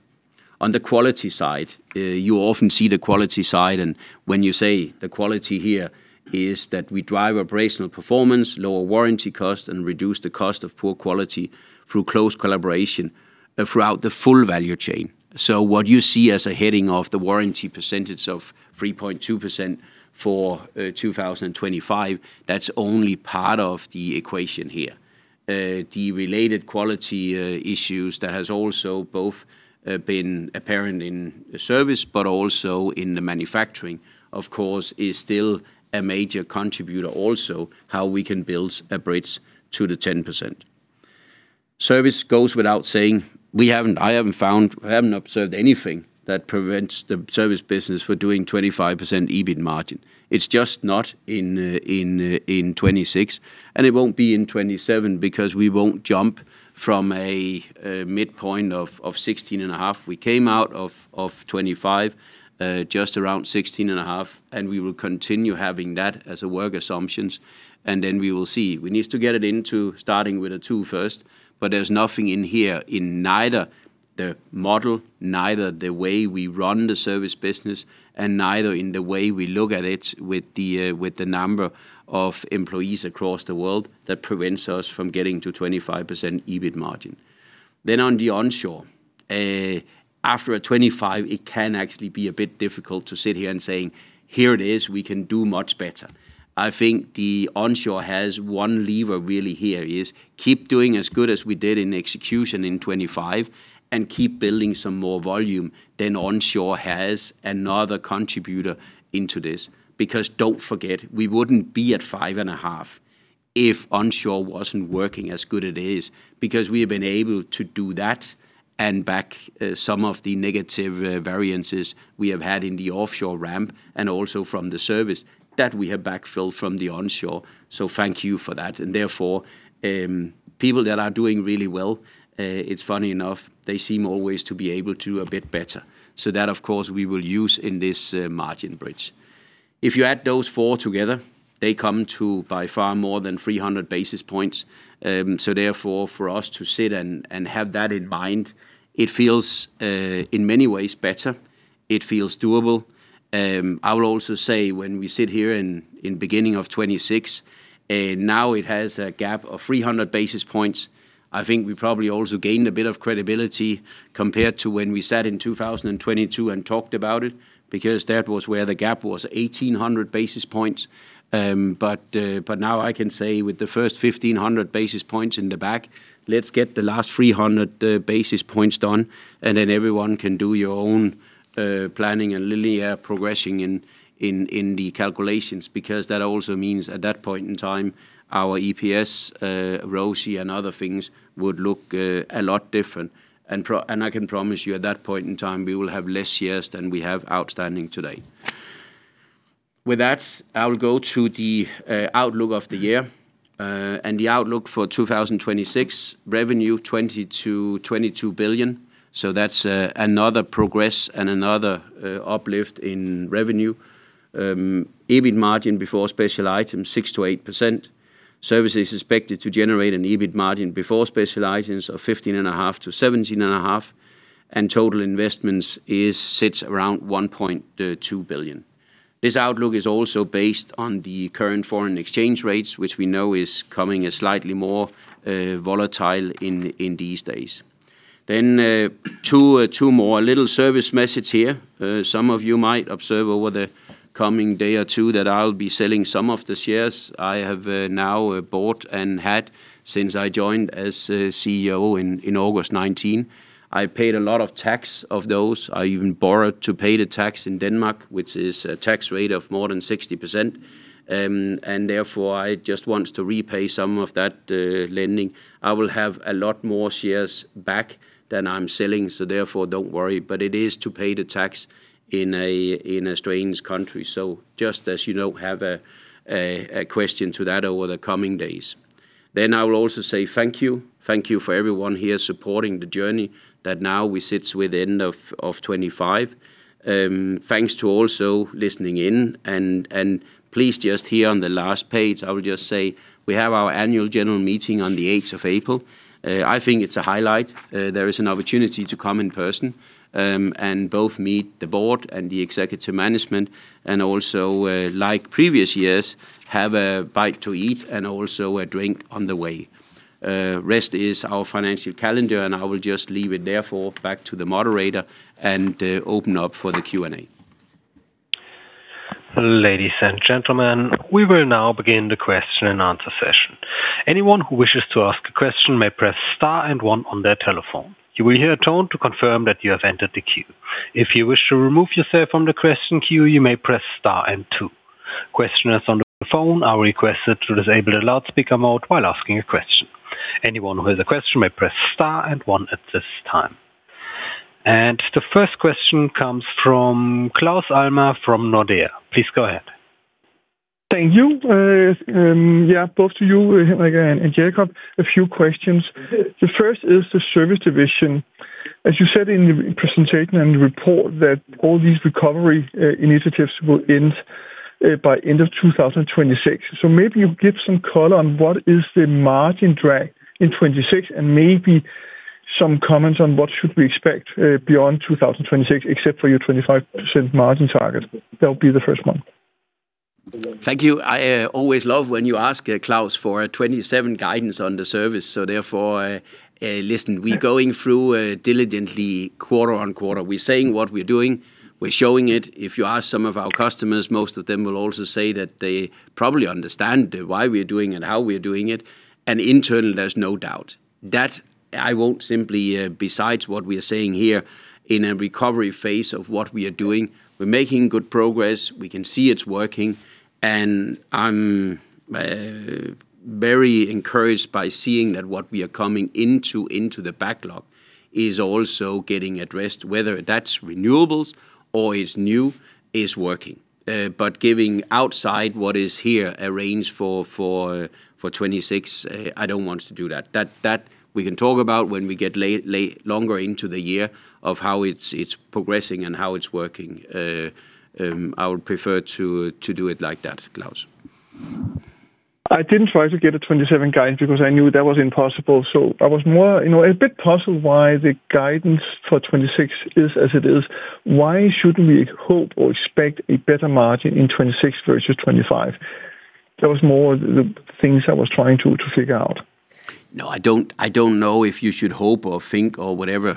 On the quality side, you often see the quality side, and when you say the quality here is that we drive operational performance, lower warranty cost, and reduce the cost of poor quality through close collaboration throughout the full value chain. So what you see as a heading of the warranty percentage of 3.2% for 2025, that's only part of the equation here. The related quality issues that has also both been apparent in the service but also in the manufacturing, of course, is still a major contributor also, how we can build a bridge to the 10%. Service goes without saying, we haven't... I haven't found, I haven't observed anything that prevents the service business for doing 25% EBIT margin. It's just not in 2026, and it won't be in 2027 because we won't jump from a midpoint of 16.5. We came out of 2025 just around 16.5, and we will continue having that as a work assumptions, and then we will see. We need to get it into starting with a 2 first, but there's nothing in here in neither the model, neither the way we run the service business, and neither in the way we look at it with the, with the number of employees across the world, that prevents us from getting to 25% EBIT margin. Then on the onshore, after a 2025, it can actually be a bit difficult to sit here and saying, "Here it is, we can do much better." I think the onshore has one lever really here is keep doing as good as we did in execution in 2025, and keep building some more volume, then onshore has another contributor into this. Because don't forget, we wouldn't be at 5.5 if onshore wasn't working as good it is, because we have been able to do that and back some of the negative variances we have had in the offshore ramp, and also from the service that we have backfilled from the onshore. So thank you for that. And therefore, people that are doing really well, it's funny enough, they seem always to be able to do a bit better. So that, of course, we will use in this margin bridge. If you add those four together, they come to by far more than 300 basis points. So therefore, for us to sit and have that in mind, it feels in many ways better. It feels doable. I will also say when we sit here in the beginning of 2026, now it has a gap of 300 basis points. I think we probably also gained a bit of credibility compared to when we sat in 2022 and talked about it, because that was where the gap was 1,800 basis points. But now I can say with the first 1,500 basis points in the back, let's get the last 300 basis points done, and then everyone can do your own planning and linear progressing in the calculations, because that also means at that point in time, our EPS, ROCE, and other things would look a lot different. And I can promise you, at that point in time, we will have less years than we have outstanding today. With that, I will go to the outlook of the year and the outlook for 2026: revenue, 20-22 billion. So that's another progress and another uplift in revenue. EBIT margin before special items, 6%-8%. Service is expected to generate an EBIT margin before special items of 15.5%-17.5%, and total investments sits around 1.2 billion. This outlook is also based on the current foreign exchange rates, which we know is coming a slightly more volatile in these days. Then two more. A little service message here. Some of you might observe over the coming day or two that I'll be selling some of the shares I have now bought and had since I joined as CEO in August 2019. I paid a lot of tax of those. I even borrowed to pay the tax in Denmark, which is a tax rate of more than 60%, and therefore, I just want to repay some of that lending. I will have a lot more shares back than I'm selling, so therefore, don't worry. But it is to pay the tax in a strange country. So just as you know, have a question to that over the coming days. Then I will also say thank you. Thank you for everyone here supporting the journey that now we sit with the end of 2025. Thanks to also listening in, and please just here on the last page, I will just say we have our annual general meeting on the 8th of April. I think it's a highlight. There is an opportunity to come in person, and both meet the board and the executive management, and also, like previous years, have a bite to eat and also a drink on the way. Rest is our financial calendar, and I will just leave it therefore back to the moderator and, open up for the Q&A.... Ladies and gentlemen, we will now begin the question and answer session. Anyone who wishes to ask a question may press star and one on their telephone. You will hear a tone to confirm that you have entered the queue. If you wish to remove yourself from the question queue, you may press star and two. Questioners on the phone are requested to disable the loudspeaker mode while asking a question. Anyone who has a question may press star and one at this time. The first question comes from Claus Almer from Nordea. Please go ahead. Thank you. Yeah, both to you, Henrik and Jakob, a few questions. The first is the service division. As you said in your presentation and report, that all these recovery initiatives will end by end of 2026. So maybe you give some color on what is the margin drag in 2026, and maybe some comments on what should we expect beyond 2026, except for your 25% margin target. That will be the first one. Thank you. I always love when you ask, Claus, for a 2027 guidance on the service, so therefore, listen, we're going through diligently quarter-over-quarter. We're saying what we're doing, we're showing it. If you ask some of our customers, most of them will also say that they probably understand why we are doing it, how we are doing it, and internally, there's no doubt. That I won't simply, besides what we are saying here, in a recovery phase of what we are doing, we're making good progress. We can see it's working, and I'm very encouraged by seeing that what we are coming into, into the backlog, is also getting addressed, whether that's renewables or it's new, is working. But giving outside what is here, a range for, for, for 2026, I don't want to do that. That we can talk about when we get later into the year of how it's progressing and how it's working. I would prefer to do it like that, Claus. I didn't try to get a 2027 guidance because I knew that was impossible, so I was more, you know, a bit puzzled why the guidance for 2026 is as it is. Why shouldn't we hope or expect a better margin in 2026 versus 2025? That was more the things I was trying to figure out. No, I don't, I don't know if you should hope or think or whatever.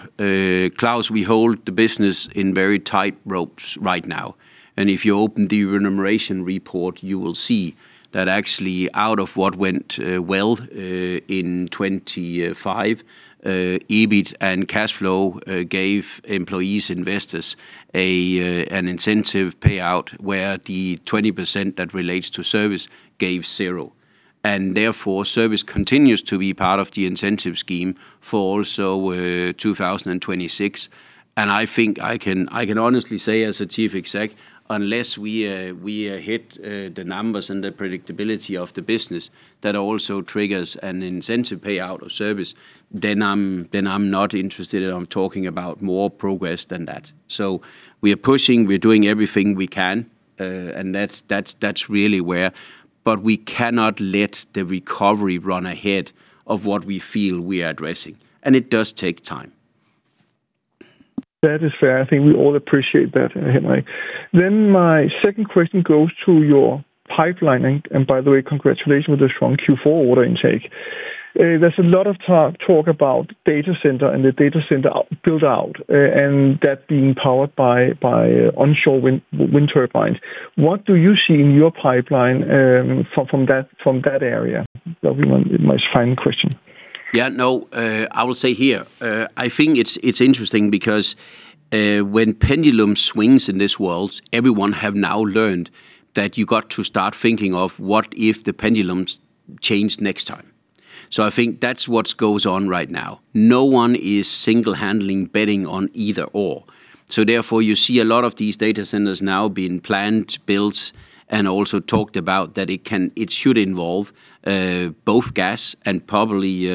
Claus, we hold the business in very tight ropes right now, and if you open the remuneration report, you will see that actually, out of what went, well, in 2025, EBIT and cash flow, gave employees, investors, a, an incentive payout where the 20% that relates to service gave zero. And therefore, service continues to be part of the incentive scheme for also, 2026. And I think I can, I can honestly say as a Chief Exec, unless we, we, hit, the numbers and the predictability of the business, that also triggers an incentive payout of service, then I'm, then I'm not interested in talking about more progress than that. We are pushing, we're doing everything we can, and that's, that's, that's really where. But we cannot let the recovery run ahead of what we feel we are addressing, and it does take time. That is fair. I think we all appreciate that, Henrik. Then my second question goes to your pipeline, and by the way, congratulations on the strong Q4 order intake. There's a lot of talk about data center and the data center build out, and that being powered by onshore wind turbines. What do you see in your pipeline from that area? That will be my final question. Yeah, no, I will say here, I think it's interesting because when pendulum swings in this world, everyone have now learned that you got to start thinking of what if the pendulums change next time. So I think that's what's goes on right now. No one is single-handling betting on either/or. So therefore, you see a lot of these data centers now being planned, built, and also talked about that it can, it should involve both gas and probably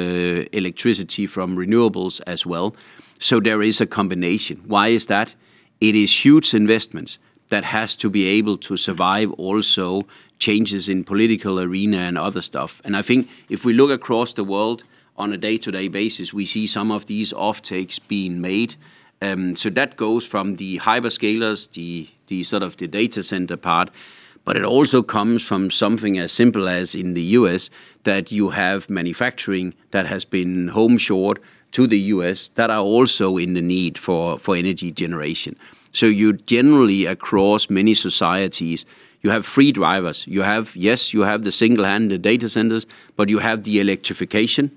electricity from renewables as well. So there is a combination. Why is that? It is huge investments that has to be able to survive, also changes in political arena and other stuff. And I think if we look across the world on a day-to-day basis, we see some of these offtakes being made. So that goes from the hyperscalers, the sort of the data center part, but it also comes from something as simple as in the U.S., that you have manufacturing that has been home-shored to the U.S., that are also in the need for energy generation. So you generally, across many societies, you have three drivers. You have, yes, you have the single hand, the data centers, but you have the electrification.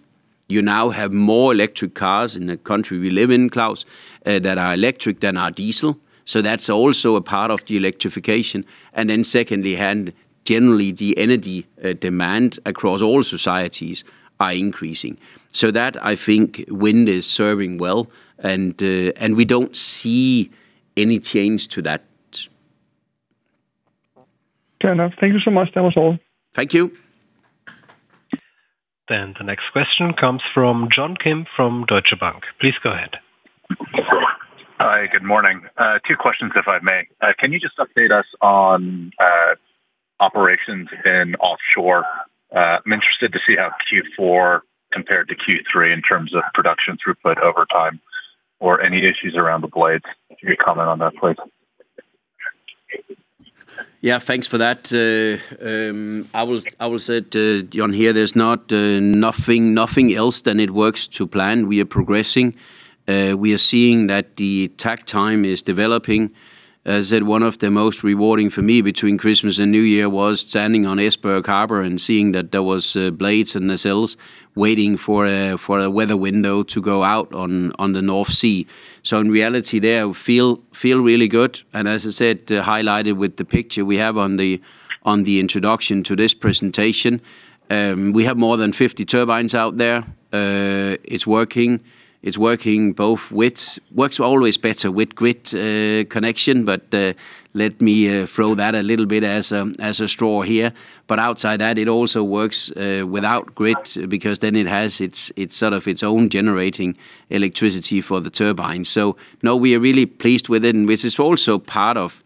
You now have more electric cars in the country we live in, Claus, that are electric than are diesel, so that's also a part of the electrification. And then secondly, and generally, the energy demand across all societies are increasing. So that, I think, wind is serving well, and we don't see any change to that. Fair enough. Thank you so much. That was all. Thank you. The next question comes from John Kim from Deutsche Bank. Please go ahead. Hi, good morning. Two questions, if I may. Can you just update us on operations in offshore? I'm interested to see how Q4 compared to Q3 in terms of production throughput over time, or any issues around the blades. If you could comment on that, please.... Yeah, thanks for that. I will, I will say to John here, there's not, nothing, nothing else than it works to plan. We are progressing. We are seeing that the tack time is developing. As said, one of the most rewarding for me between Christmas and New Year was standing on Esbjerg Harbor and seeing that there was, blades and nacelles waiting for a, for a weather window to go out on, on the North Sea. So in reality there, we feel, feel really good. And as I said, highlighted with the picture we have on the, on the introduction to this presentation, we have more than 50 turbines out there. It's working. It's working both with-- works always better with grid connection, but, let me, throw that a little bit as a, as a straw here. But outside that, it also works without grid, because then it has its, its sort of its own generating electricity for the turbine. So no, we are really pleased with it, and which is also part of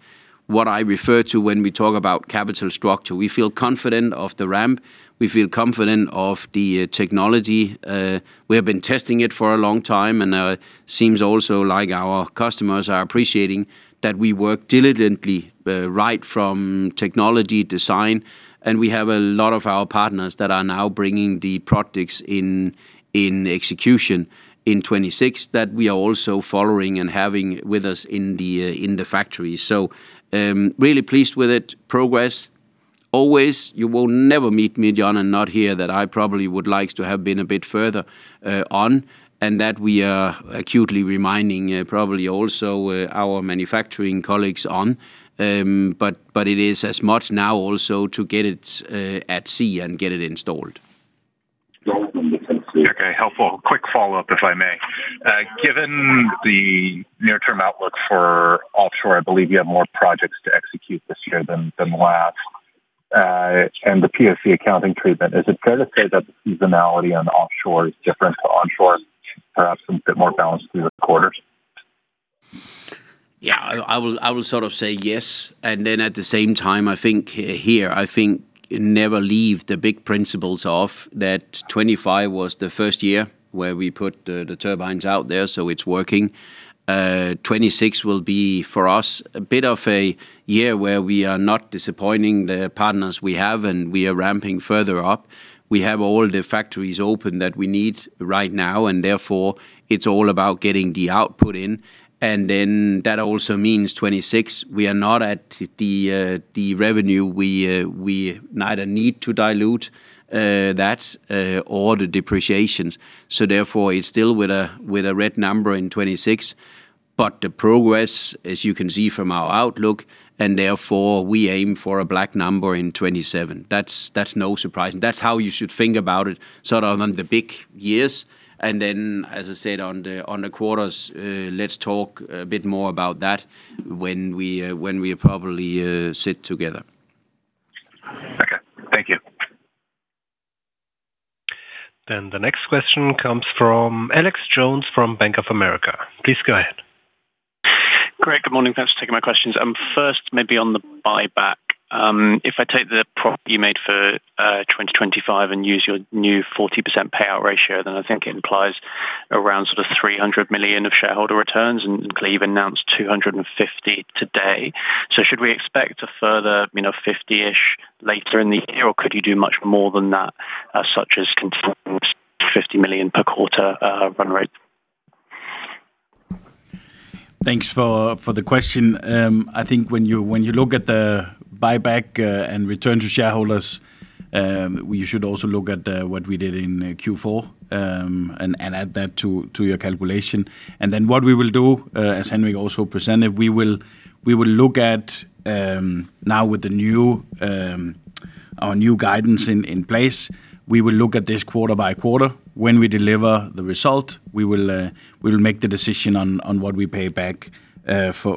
what I refer to when we talk about capital structure. We feel confident of the ramp. We feel confident of the technology. We have been testing it for a long time, and seems also like our customers are appreciating that we work diligently right from technology design, and we have a lot of our partners that are now bringing the products in execution in 2026, that we are also following and having with us in the factory. So, really pleased with it. Progress, always, you will never meet me, John, and not hear that I probably would like to have been a bit further on, and that we are acutely reminding probably also our manufacturing colleagues on. But, but it is as much now also to get it at sea and get it installed. Okay, helpful. Quick follow-up, if I may. Given the near-term outlook for offshore, I believe you have more projects to execute this year than last. The POC accounting treatment, is it fair to say that the seasonality on offshore is different to onshore, perhaps a bit more balanced through the quarters? Yeah, I will sort of say yes, and then at the same time, I think here, I think never leave the big principles of that 2025 was the first year where we put the turbines out there, so it's working. 2026 will be, for us, a bit of a year where we are not disappointing the partners we have, and we are ramping further up. We have all the factories open that we need right now, and therefore, it's all about getting the output in, and then that also means 2026, we are not at the revenue. We, we neither need to dilute that or the depreciations. So therefore, it's still with a red number in 2026. But the progress, as you can see from our outlook, and therefore we aim for a black number in 2027. That's, that's no surprise, and that's how you should think about it, sort of on the big years. And then, as I said, on the, on the quarters, let's talk a bit more about that when we, when we probably, sit together. Okay. Thank you. Then the next question comes from Alexander Jones from Bank of America. Please go ahead. Great. Good morning. Thanks for taking my questions. First, maybe on the buyback. If I take the profit you made for 2025 and use your new 40% payout ratio, then I think it implies around sort of 300 million of shareholder returns, and clearly you've announced 250 million today. So should we expect a further, you know, 50-ish later in the year, or could you do much more than that, such as continuing 50 million per quarter run rate? Thanks for the question. I think when you look at the buyback and return to shareholders, you should also look at what we did in Q4 and add that to your calculation. And then what we will do, as Henrik also presented, we will look at... Now, with our new guidance in place, we will look at this quarter by quarter. When we deliver the result, we will make the decision on what we pay back for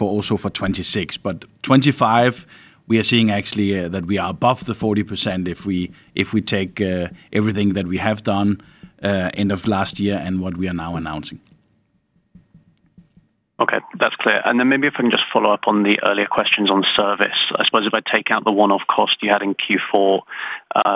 also for 2026. But 2025, we are seeing actually that we are above the 40% if we take everything that we have done end of last year and what we are now announcing. Okay. That's clear. And then maybe if I can just follow up on the earlier questions on service. I suppose if I take out the one-off cost you had in Q4,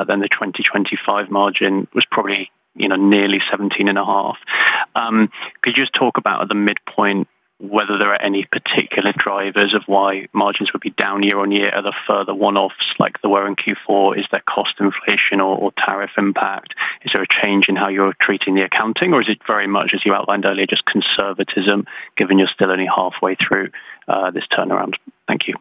then the 2025 margin was probably, you know, nearly 17.5%. Could you just talk about at the midpoint whether there are any particular drivers of why margins would be down year-on-year? Are there further one-offs like there were in Q4? Is there cost inflation or tariff impact? Is there a change in how you're treating the accounting, or is it very much, as you outlined earlier, just conservatism, given you're still only halfway through this turnaround? Thank you.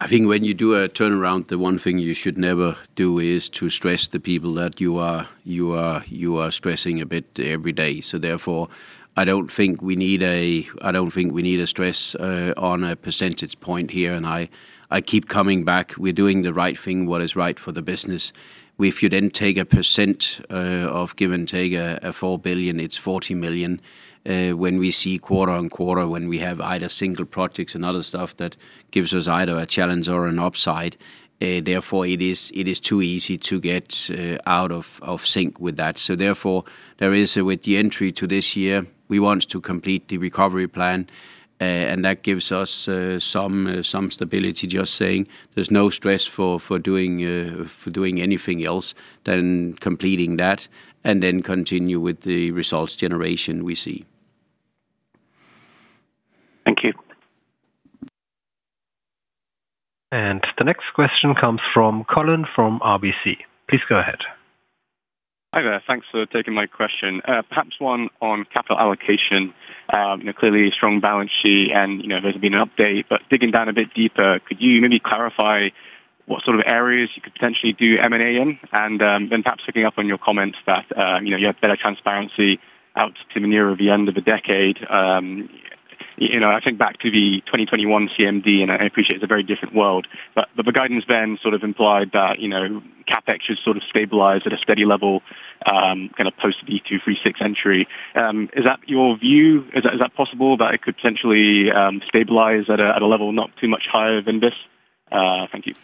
I think when you do a turnaround, the one thing you should never do is to stress the people that you are stressing a bit every day. So therefore, I don't think we need a stress on a percentage point here, and I keep coming back. We're doing the right thing, what is right for the business. If you then take 1% of give and take, 4 billion, it's 40 million. When we see quarter-on-quarter, when we have either single projects and other stuff, that gives us either a challenge or an upside. Therefore, it is too easy to get out of sync with that. So therefore, there is, with the entry to this year, we want to complete the recovery plan, and that gives us some stability. Just saying, there's no stress for doing anything else than completing that, and then continue with the results generation we see.... Thank you. The next question comes from Colin from RBC. Please go ahead. Hi there. Thanks for taking my question. Perhaps one on capital allocation. And clearly strong balance sheet and, you know, there's been an update, but digging down a bit deeper, could you maybe clarify what sort of areas you could potentially do M&A in? And, then perhaps picking up on your comments that, you know, you have better transparency out to the nearer of the end of the decade. You know, I think back to the 2021 CMD, and I appreciate it's a very different world, but the guidance then sort of implied that, you know, CapEx should sort of stabilize at a steady level, kind of post V236 entry. Is that your view? Is that, is that possible that it could potentially, stabilize at a, at a level not too much higher than this? Thank you.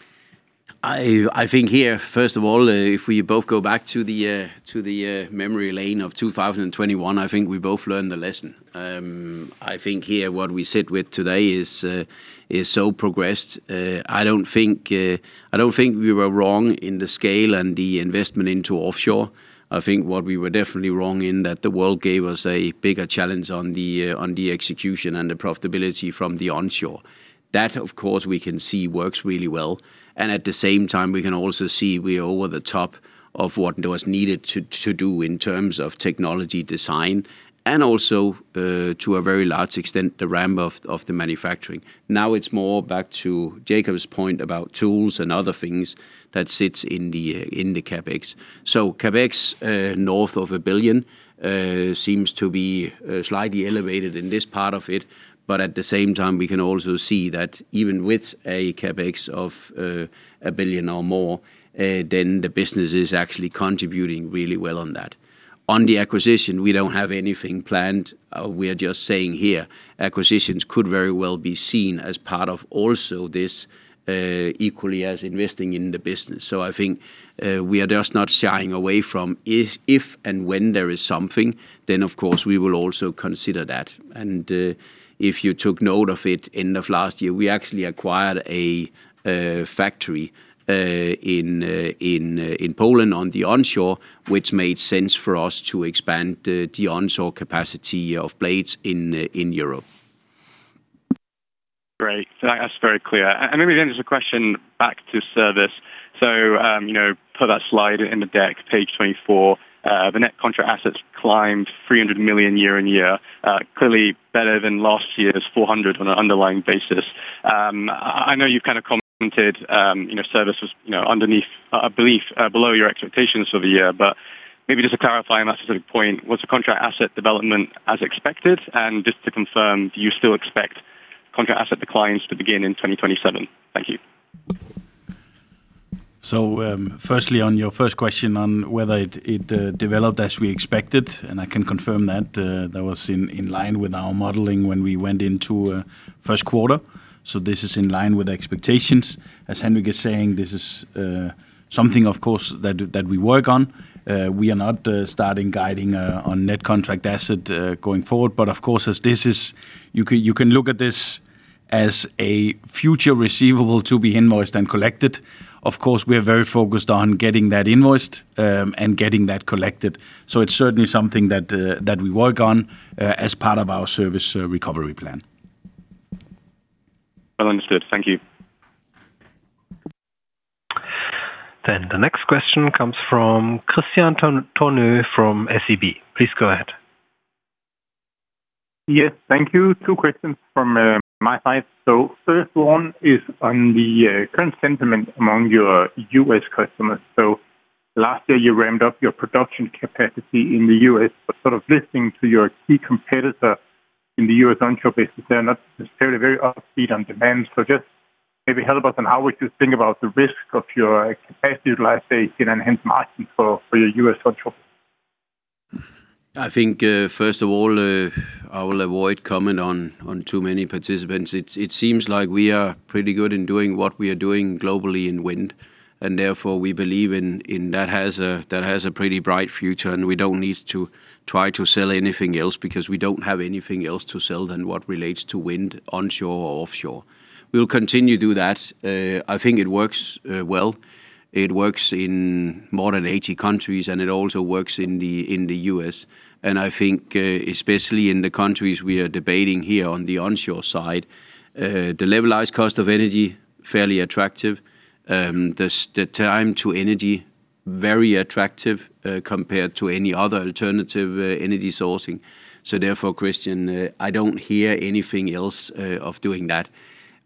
I think here, first of all, if we both go back to the memory lane of 2021, I think we both learned the lesson. I think here what we sit with today is so progressed. I don't think we were wrong in the scale and the investment into offshore. I think what we were definitely wrong in, that the world gave us a bigger challenge on the execution and the profitability from the onshore. That, of course, we can see works really well, and at the same time, we can also see we are over the top of what was needed to do in terms of technology design, and also, to a very large extent, the ramp of the manufacturing. Now it's more back to Jakob's point about tools and other things that sits in the, in the CapEx. So CapEx north of 1 billion seems to be slightly elevated in this part of it, but at the same time, we can also see that even with a CapEx of 1 billion or more, then the business is actually contributing really well on that. On the acquisition, we don't have anything planned. We are just saying here, acquisitions could very well be seen as part of also this, equally as investing in the business. So I think, we are just not shying away from if, if and when there is something, then of course, we will also consider that. If you took note of it, end of last year, we actually acquired a factory in Poland on the onshore, which made sense for us to expand the onshore capacity of blades in Europe. Great. That's very clear. And maybe then there's a question back to service. So, you know, put that slide in the deck, page 24. The net contract assets climbed 300 million year-on-year, clearly better than last year's 400 on an underlying basis. I know you've kind of commented, you know, services, you know, underneath, I believe, below your expectations for the year, but maybe just to clarify on that specific point, was the contract asset development as expected? And just to confirm, do you still expect contract asset declines to begin in 2027? Thank you. So, firstly, on your first question on whether it developed as we expected, and I can confirm that that was in line with our modeling when we went into first quarter. So this is in line with the expectations. As Henrik is saying, this is something, of course, that that we work on. We are not starting guiding on net contract asset going forward, but of course, as this is you can look at this as a future receivable to be invoiced and collected. Of course, we are very focused on getting that invoiced and getting that collected. So it's certainly something that that we work on as part of our service recovery plan. Well understood. Thank you. The next question comes from Kristian Tornøe from SEB. Please go ahead. Yes, thank you. Two questions from my side. So first one is on the current sentiment among your U.S. customers. So last year, you ramped up your production capacity in the U.S., but sort of listening to your key competitor in the U.S. onshore business, they are not necessarily very up to speed on demand. So just maybe help us on how would you think about the risk of your capacity utilization and hence margin for your U.S. onshore? I think, first of all, I will avoid comment on too many participants. It seems like we are pretty good in doing what we are doing globally in wind, and therefore, we believe in that has a pretty bright future, and we don't need to try to sell anything else, because we don't have anything else to sell than what relates to wind, onshore or offshore. We'll continue to do that. I think it works well. It works in more than 80 countries, and it also works in the US. And I think, especially in the countries we are debating here on the onshore side, the levelized cost of energy fairly attractive. The time to energy very attractive, compared to any other alternative energy sourcing. So therefore, Kristian, I don't hear anything else of doing that.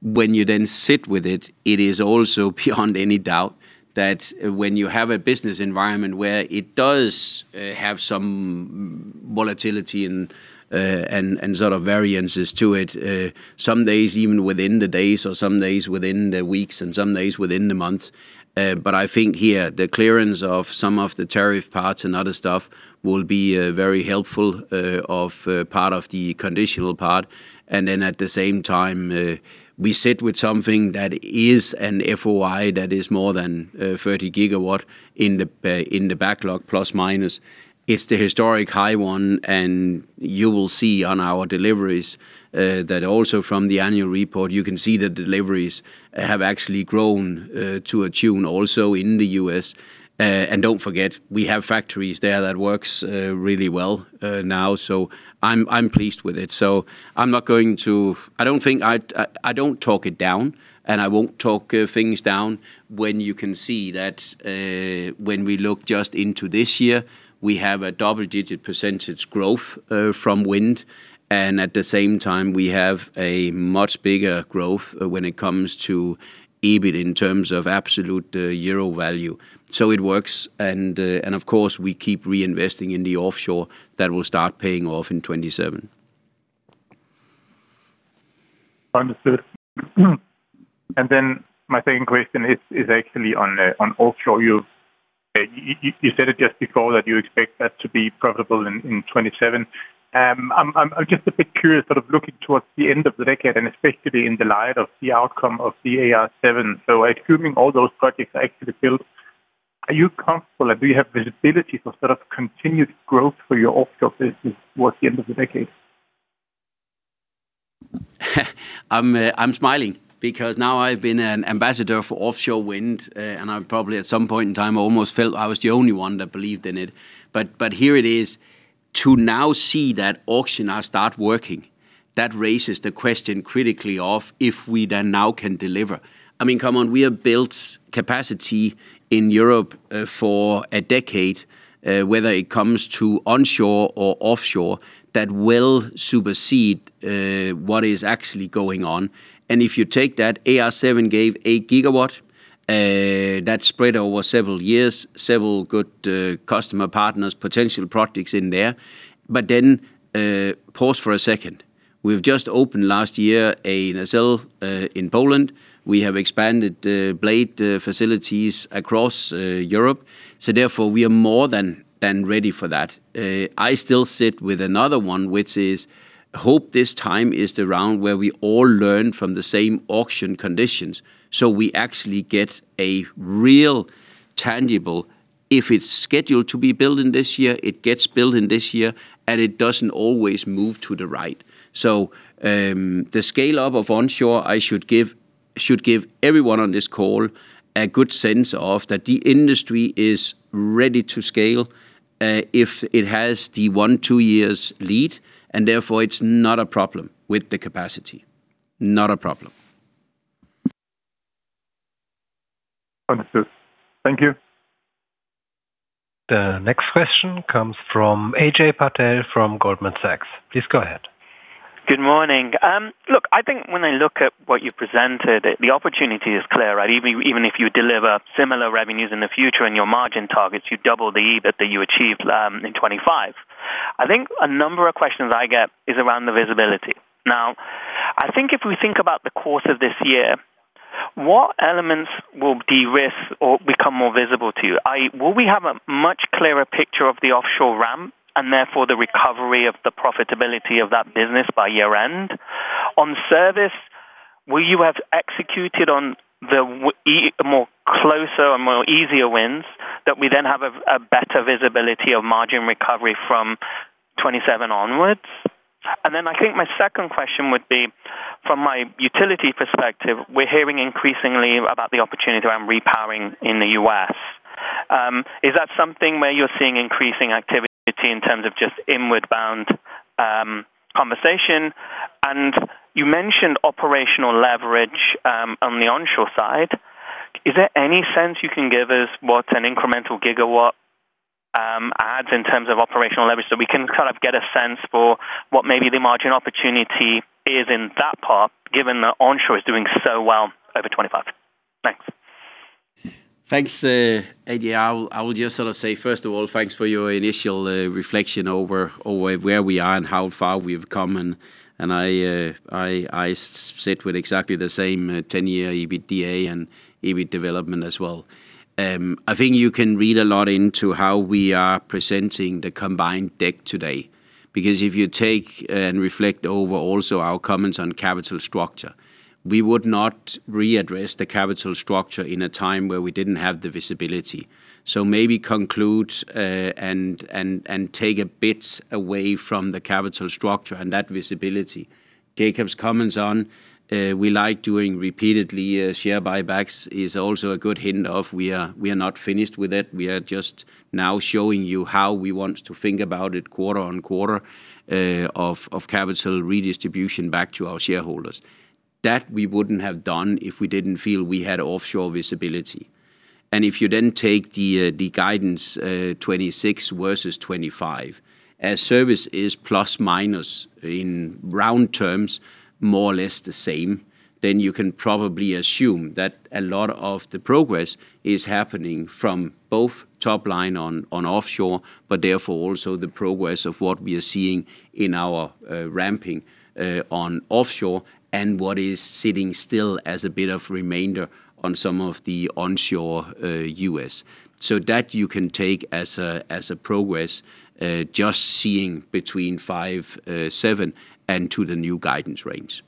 When you then sit with it, it is also beyond any doubt that when you have a business environment where it does have some volatility and sort of variances to it, some days even within the days, or some days within the weeks, and some days within the months, but I think here, the clearance of some of the tariff parts and other stuff will be very helpful of part of the conditional part. And then at the same time, we sit with something that is an FOI that is more than 30 gigawatts in the backlog, plus or minus. It's the historic high one, and you will see on our deliveries, that also from the annual report, you can see the deliveries have actually grown, to a tune also in the U.S. And don't forget, we have factories there that works, really well, now, so I'm pleased with it. So I'm not going to... I don't think I'd, I don't talk it down, and I won't talk, things down when you can see that, when we look just into this year, we have a double-digit % growth, from wind, and at the same time, we have a much bigger growth when it comes to EBIT in terms of absolute, euro value. So it works, and, and of course, we keep reinvesting in the offshore that will start paying off in 2027.... Understood. And then my second question is actually on offshore. You said it just before that you expect that to be profitable in 2027. I'm just a bit curious, sort of looking towards the end of the decade, and especially in the light of the outcome of the AR7. So assuming all those projects are actually built, are you comfortable that we have visibility for sort of continued growth for your offshore business towards the end of the decade? I'm smiling because now I've been an ambassador for offshore wind, and I probably at some point in time almost felt I was the only one that believed in it. But here it is. To now see that auction now start working, that raises the question critically of if we then now can deliver. I mean, come on, we have built capacity in Europe, for a decade, whether it comes to onshore or offshore, that will supersede what is actually going on. And if you take that, AR7 gave 8 GW, that spread over several years, several good customer partners, potential projects in there. But then pause for a second. We've just opened last year a nacelle in Poland. We have expanded blade facilities across Europe, so therefore, we are more than ready for that. I still sit with another one, which is, hope this time is the round where we all learn from the same auction conditions, so we actually get a real tangible. If it's scheduled to be built in this year, it gets built in this year, and it doesn't always move to the right. So, the scale-up of onshore, I should give everyone on this call a good sense of, that the industry is ready to scale, if it has the 1-2 years lead, and therefore it's not a problem with the capacity. Not a problem. Understood. Thank you. The next question comes from Ajay Patel from Goldman Sachs. Please go ahead. Good morning. Look, I think when I look at what you presented, the opportunity is clear, right? Even, even if you deliver similar revenues in the future and your margin targets, you double the EBIT that you achieved in 2025. I think a number of questions I get is around the visibility. Now, I think if we think about the course of this year, what elements will de-risk or become more visible to you? I... Will we have a much clearer picture of the offshore ramp, and therefore the recovery of the profitability of that business by year-end? On service, will you have executed on the more closer and more easier wins, that we then have a, a better visibility of margin recovery from 2027 onwards? Then I think my second question would be, from my utility perspective, we're hearing increasingly about the opportunity around repowering in the U.S. Is that something where you're seeing increasing activity in terms of just inward bound conversation? And you mentioned operational leverage on the onshore side. Is there any sense you can give us what an incremental gigawatt adds in terms of operational leverage, so we can kind of get a sense for what maybe the margin opportunity is in that part, given that onshore is doing so well over 25? Thanks. Thanks, Ajay. I'll just sort of say, first of all, thanks for your initial reflection over where we are and how far we've come, and I sit with exactly the same ten-year EBITDA and EBIT development as well. I think you can read a lot into how we are presenting the combined deck today, because if you take and reflect over also our comments on capital structure, we would not readdress the capital structure in a time where we didn't have the visibility. So maybe conclude and take a bit away from the capital structure and that visibility. Jakob's comments on we like doing repeatedly share buybacks is also a good hint of we are not finished with it. We are just now showing you how we want to think about it quarter-on-quarter, of capital redistribution back to our shareholders. That we wouldn't have done if we didn't feel we had offshore visibility. If you then take the guidance, 2026 versus 2025, as service is plus minus in round terms, more or less the same, then you can probably assume that a lot of the progress is happening from both top line on offshore, but therefore also the progress of what we are seeing in our ramping on offshore, and what is sitting still as a bit of remainder on some of the onshore U.S. So that you can take as a progress, just seeing between 5, 7 and to the new guidance range.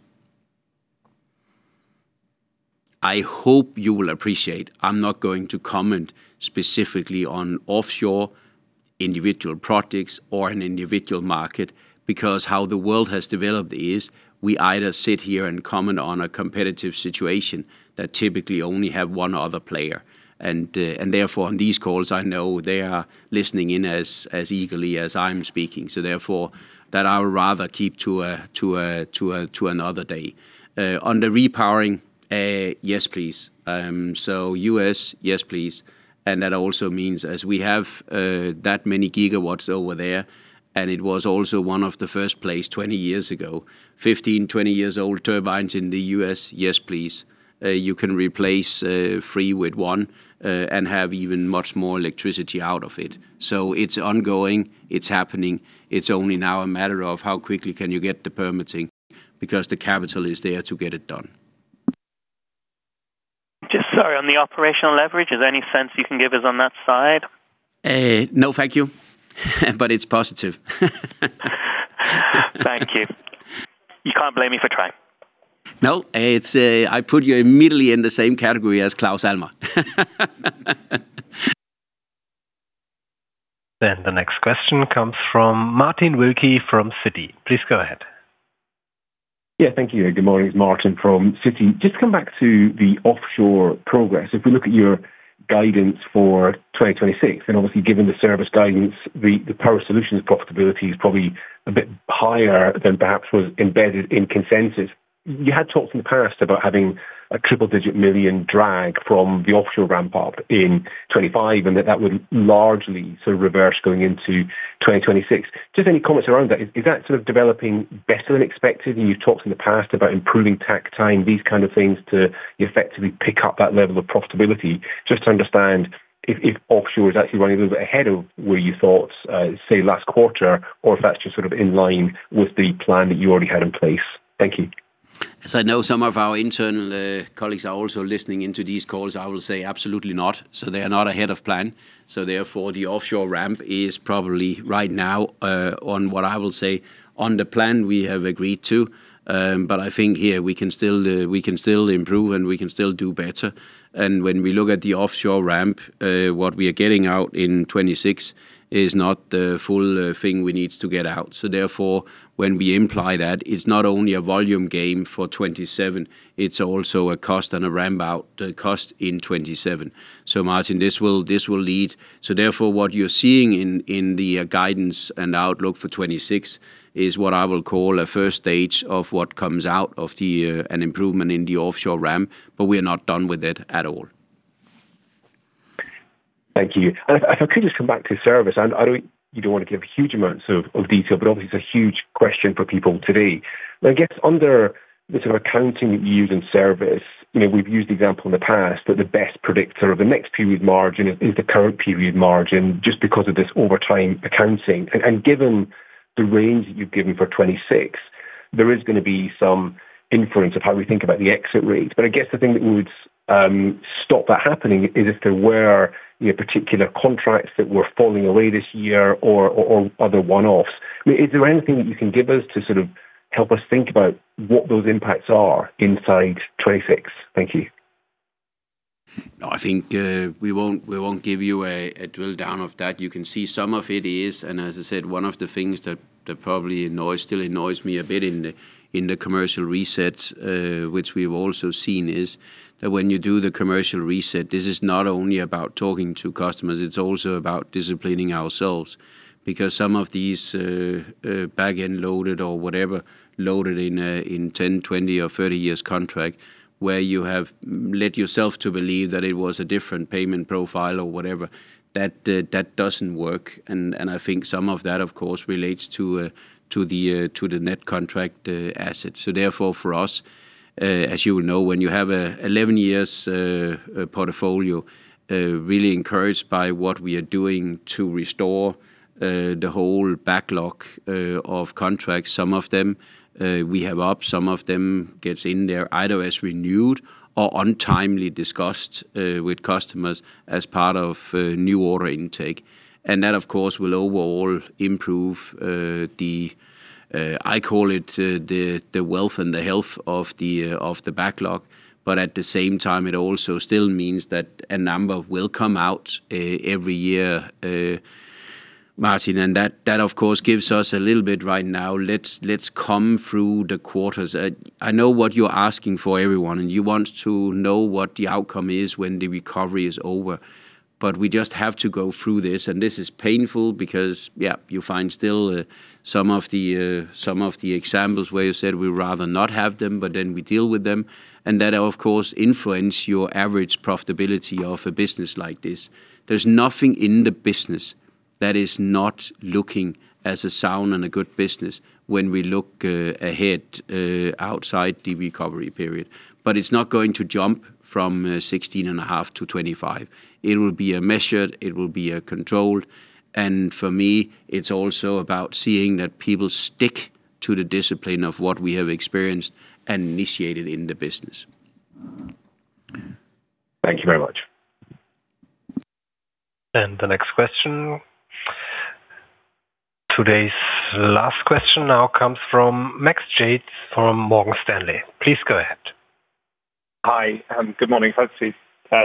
I hope you will appreciate, I'm not going to comment specifically on offshore individual projects or an individual market, because how the world has developed is, we either sit here and comment on a competitive situation that typically only have one other player. And therefore, on these calls, I know they are listening in as eagerly as I'm speaking. So therefore, that I would rather keep to another day. On the repowering, yes, please. So US, yes, please, and that also means as we have that many gigawatts over there, and it was also one of the first place 20 years ago, 15-20 years old, turbines in the US, yes, please. You can replace 3 with 1, and have even much more electricity out of it. So it's ongoing, it's happening. It's only now a matter of how quickly can you get the permitting, because the capital is there to get it done. Just sorry, on the operational leverage, is there any sense you can give us on that side? No, thank you. But it's positive. Thank you. You can't blame me for trying. No, it's, I put you immediately in the same category as Claus Almer. Then the next question comes from Martin Wilkie from Citi. Please go ahead. Yeah, thank you. Good morning, it's Martin from Citi. Just come back to the offshore progress. If we look at your guidance for 2026, and obviously, given the service guidance, the, the Power Solutions profitability is probably a bit higher than perhaps was embedded in consensus. You had talked in the past about having a triple-digit million EUR drag from the offshore ramp up in 2025, and that that would largely sort of reverse going into 2026. Just any comments around that. Is, is that sort of developing better than expected? And you've talked in the past about improving tack time, these kind of things, to effectively pick up that level of profitability. Just to understand if offshore is actually running a little bit ahead of where you thought, say, last quarter, or if that's just sort of in line with the plan that you already had in place. Thank you. As I know, some of our internal colleagues are also listening in to these calls. I will say absolutely not. So they are not ahead of plan. So therefore, the offshore ramp is probably right now on what I will say on the plan we have agreed to. But I think here we can still, we can still improve and we can still do better. And when we look at the offshore ramp, what we are getting out in 2026 is not the full thing we need to get out. So therefore, when we imply that, it's not only a volume game for 2027, it's also a cost and a ramp out the cost in 2027. So Martin, this will, this will lead... Therefore, what you're seeing in the guidance and outlook for 2026 is what I will call a first stage of what comes out of an improvement in the offshore ramp, but we are not done with it at all. Thank you. And if, if I could just come back to service, and I don't—you don't want to give huge amounts of, of detail, but obviously it's a huge question for people today. I guess, under the sort of accounting you use in service, you know, we've used the example in the past that the best predictor of the next period margin is the current period margin, just because of this overtime accounting. And given the range that you've given for 2026, there is going to be some inference of how we think about the exit rates. But I guess the thing that would stop that happening is if there were, you know, particular contracts that were falling away this year or other one-offs. I mean, is there anything that you can give us to sort of help us think about what those impacts are inside 2026? Thank you. No, I think we won't give you a drill down of that. You can see some of it is, and as I said, one of the things that probably annoys, still annoys me a bit in the commercial resets, which we've also seen, is that when you do the commercial reset, this is not only about talking to customers, it's also about disciplining ourselves. Because some of these back-end loaded or whatever, loaded in 10, 20 or 30 years contract, where you have led yourself to believe that it was a different payment profile or whatever, that doesn't work. And I think some of that, of course, relates to the net contract assets. So therefore, for us, as you know, when you have an 11-year portfolio, really encouraged by what we are doing to restore the whole backlog of contracts. Some of them we have up, some of them gets in there either as renewed or untimely discussed with customers as part of new order intake. And that, of course, will overall improve the, I call it, the wealth and the health of the backlog. But at the same time, it also still means that a number will come out every year, Martin, and that, of course, gives us a little bit right now. Let's come through the quarters. I know what you're asking for everyone, and you want to know what the outcome is when the recovery is over. But we just have to go through this, and this is painful because, yeah, you find still, some of the, some of the examples where you said we'd rather not have them, but then we deal with them. And that, of course, influence your average profitability of a business like this. There's nothing in the business that is not looking as a sound and a good business when we look, ahead, outside the recovery period. But it's not going to jump from, 16.5 to 25. It will be a measured, it will be a controlled, and for me, it's also about seeing that people stick to the discipline of what we have experienced and initiated in the business. Thank you very much. The next question, today's last question now comes from Max Yates from Morgan Stanley. Please go ahead. Hi, good morning. Hopefully,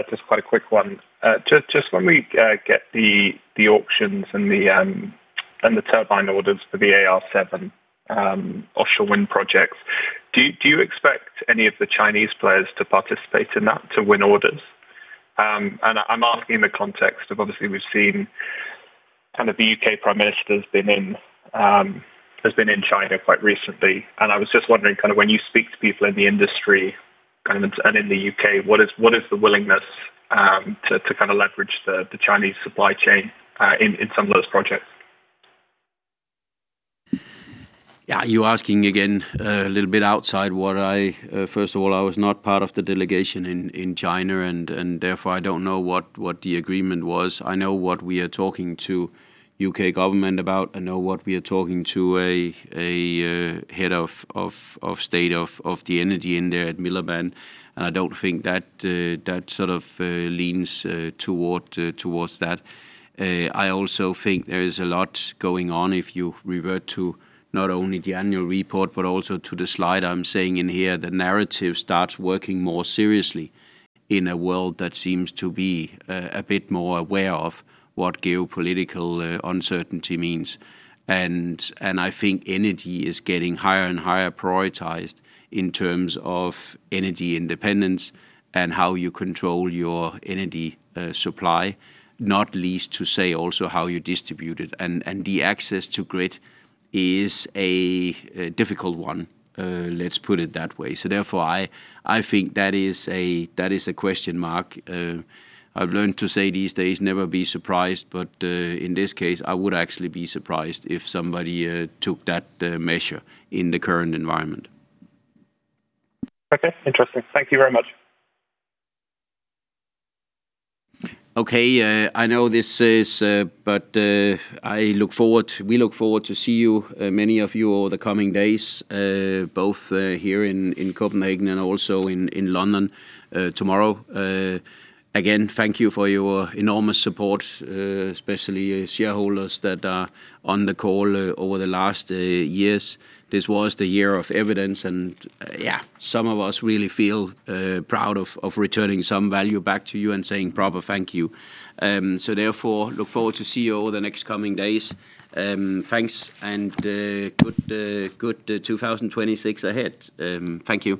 just quite a quick one. Just, just when we get the auctions and the turbine orders for the AR7 offshore wind projects, do you expect any of the Chinese players to participate in that to win orders? And I'm asking in the context of obviously, we've seen kind of the U.K. Prime Minister's been in, has been in China quite recently, and I was just wondering, kind of, when you speak to people in the industry, kind of, and in the U.K., what is the willingness to kind of leverage the Chinese supply chain in some of those projects?... Yeah, you're asking again, a little bit outside what I... First of all, I was not part of the delegation in China, and therefore, I don't know what the agreement was. I know what we are talking to UK government about. I know what we are talking to a head of state of the energy in there at Miliband, and I don't think that sort of leans toward that. I also think there is a lot going on if you revert to not only the annual report, but also to the slide I'm saying in here, the narrative starts working more seriously in a world that seems to be a bit more aware of what geopolitical uncertainty means. I think energy is getting higher and higher prioritized in terms of energy independence and how you control your energy supply, not least to say also how you distribute it. And the access to grid is a difficult one, let's put it that way. So therefore, I think that is a question mark. I've learned to say these days, never be surprised, but in this case, I would actually be surprised if somebody took that measure in the current environment. Okay, interesting. Thank you very much. Okay, I know this is... But, I look forward, we look forward to see you, many of you over the coming days, both, here in, in Copenhagen and also in, in London, tomorrow. Again, thank you for your enormous support, especially shareholders that are on the call over the last, years. This was the year of evidence, and, yeah, some of us really feel, proud of, of returning some value back to you and saying proper thank you. So therefore, look forward to see you over the next coming days. Thanks, and, good, good, 2026 ahead. Thank you.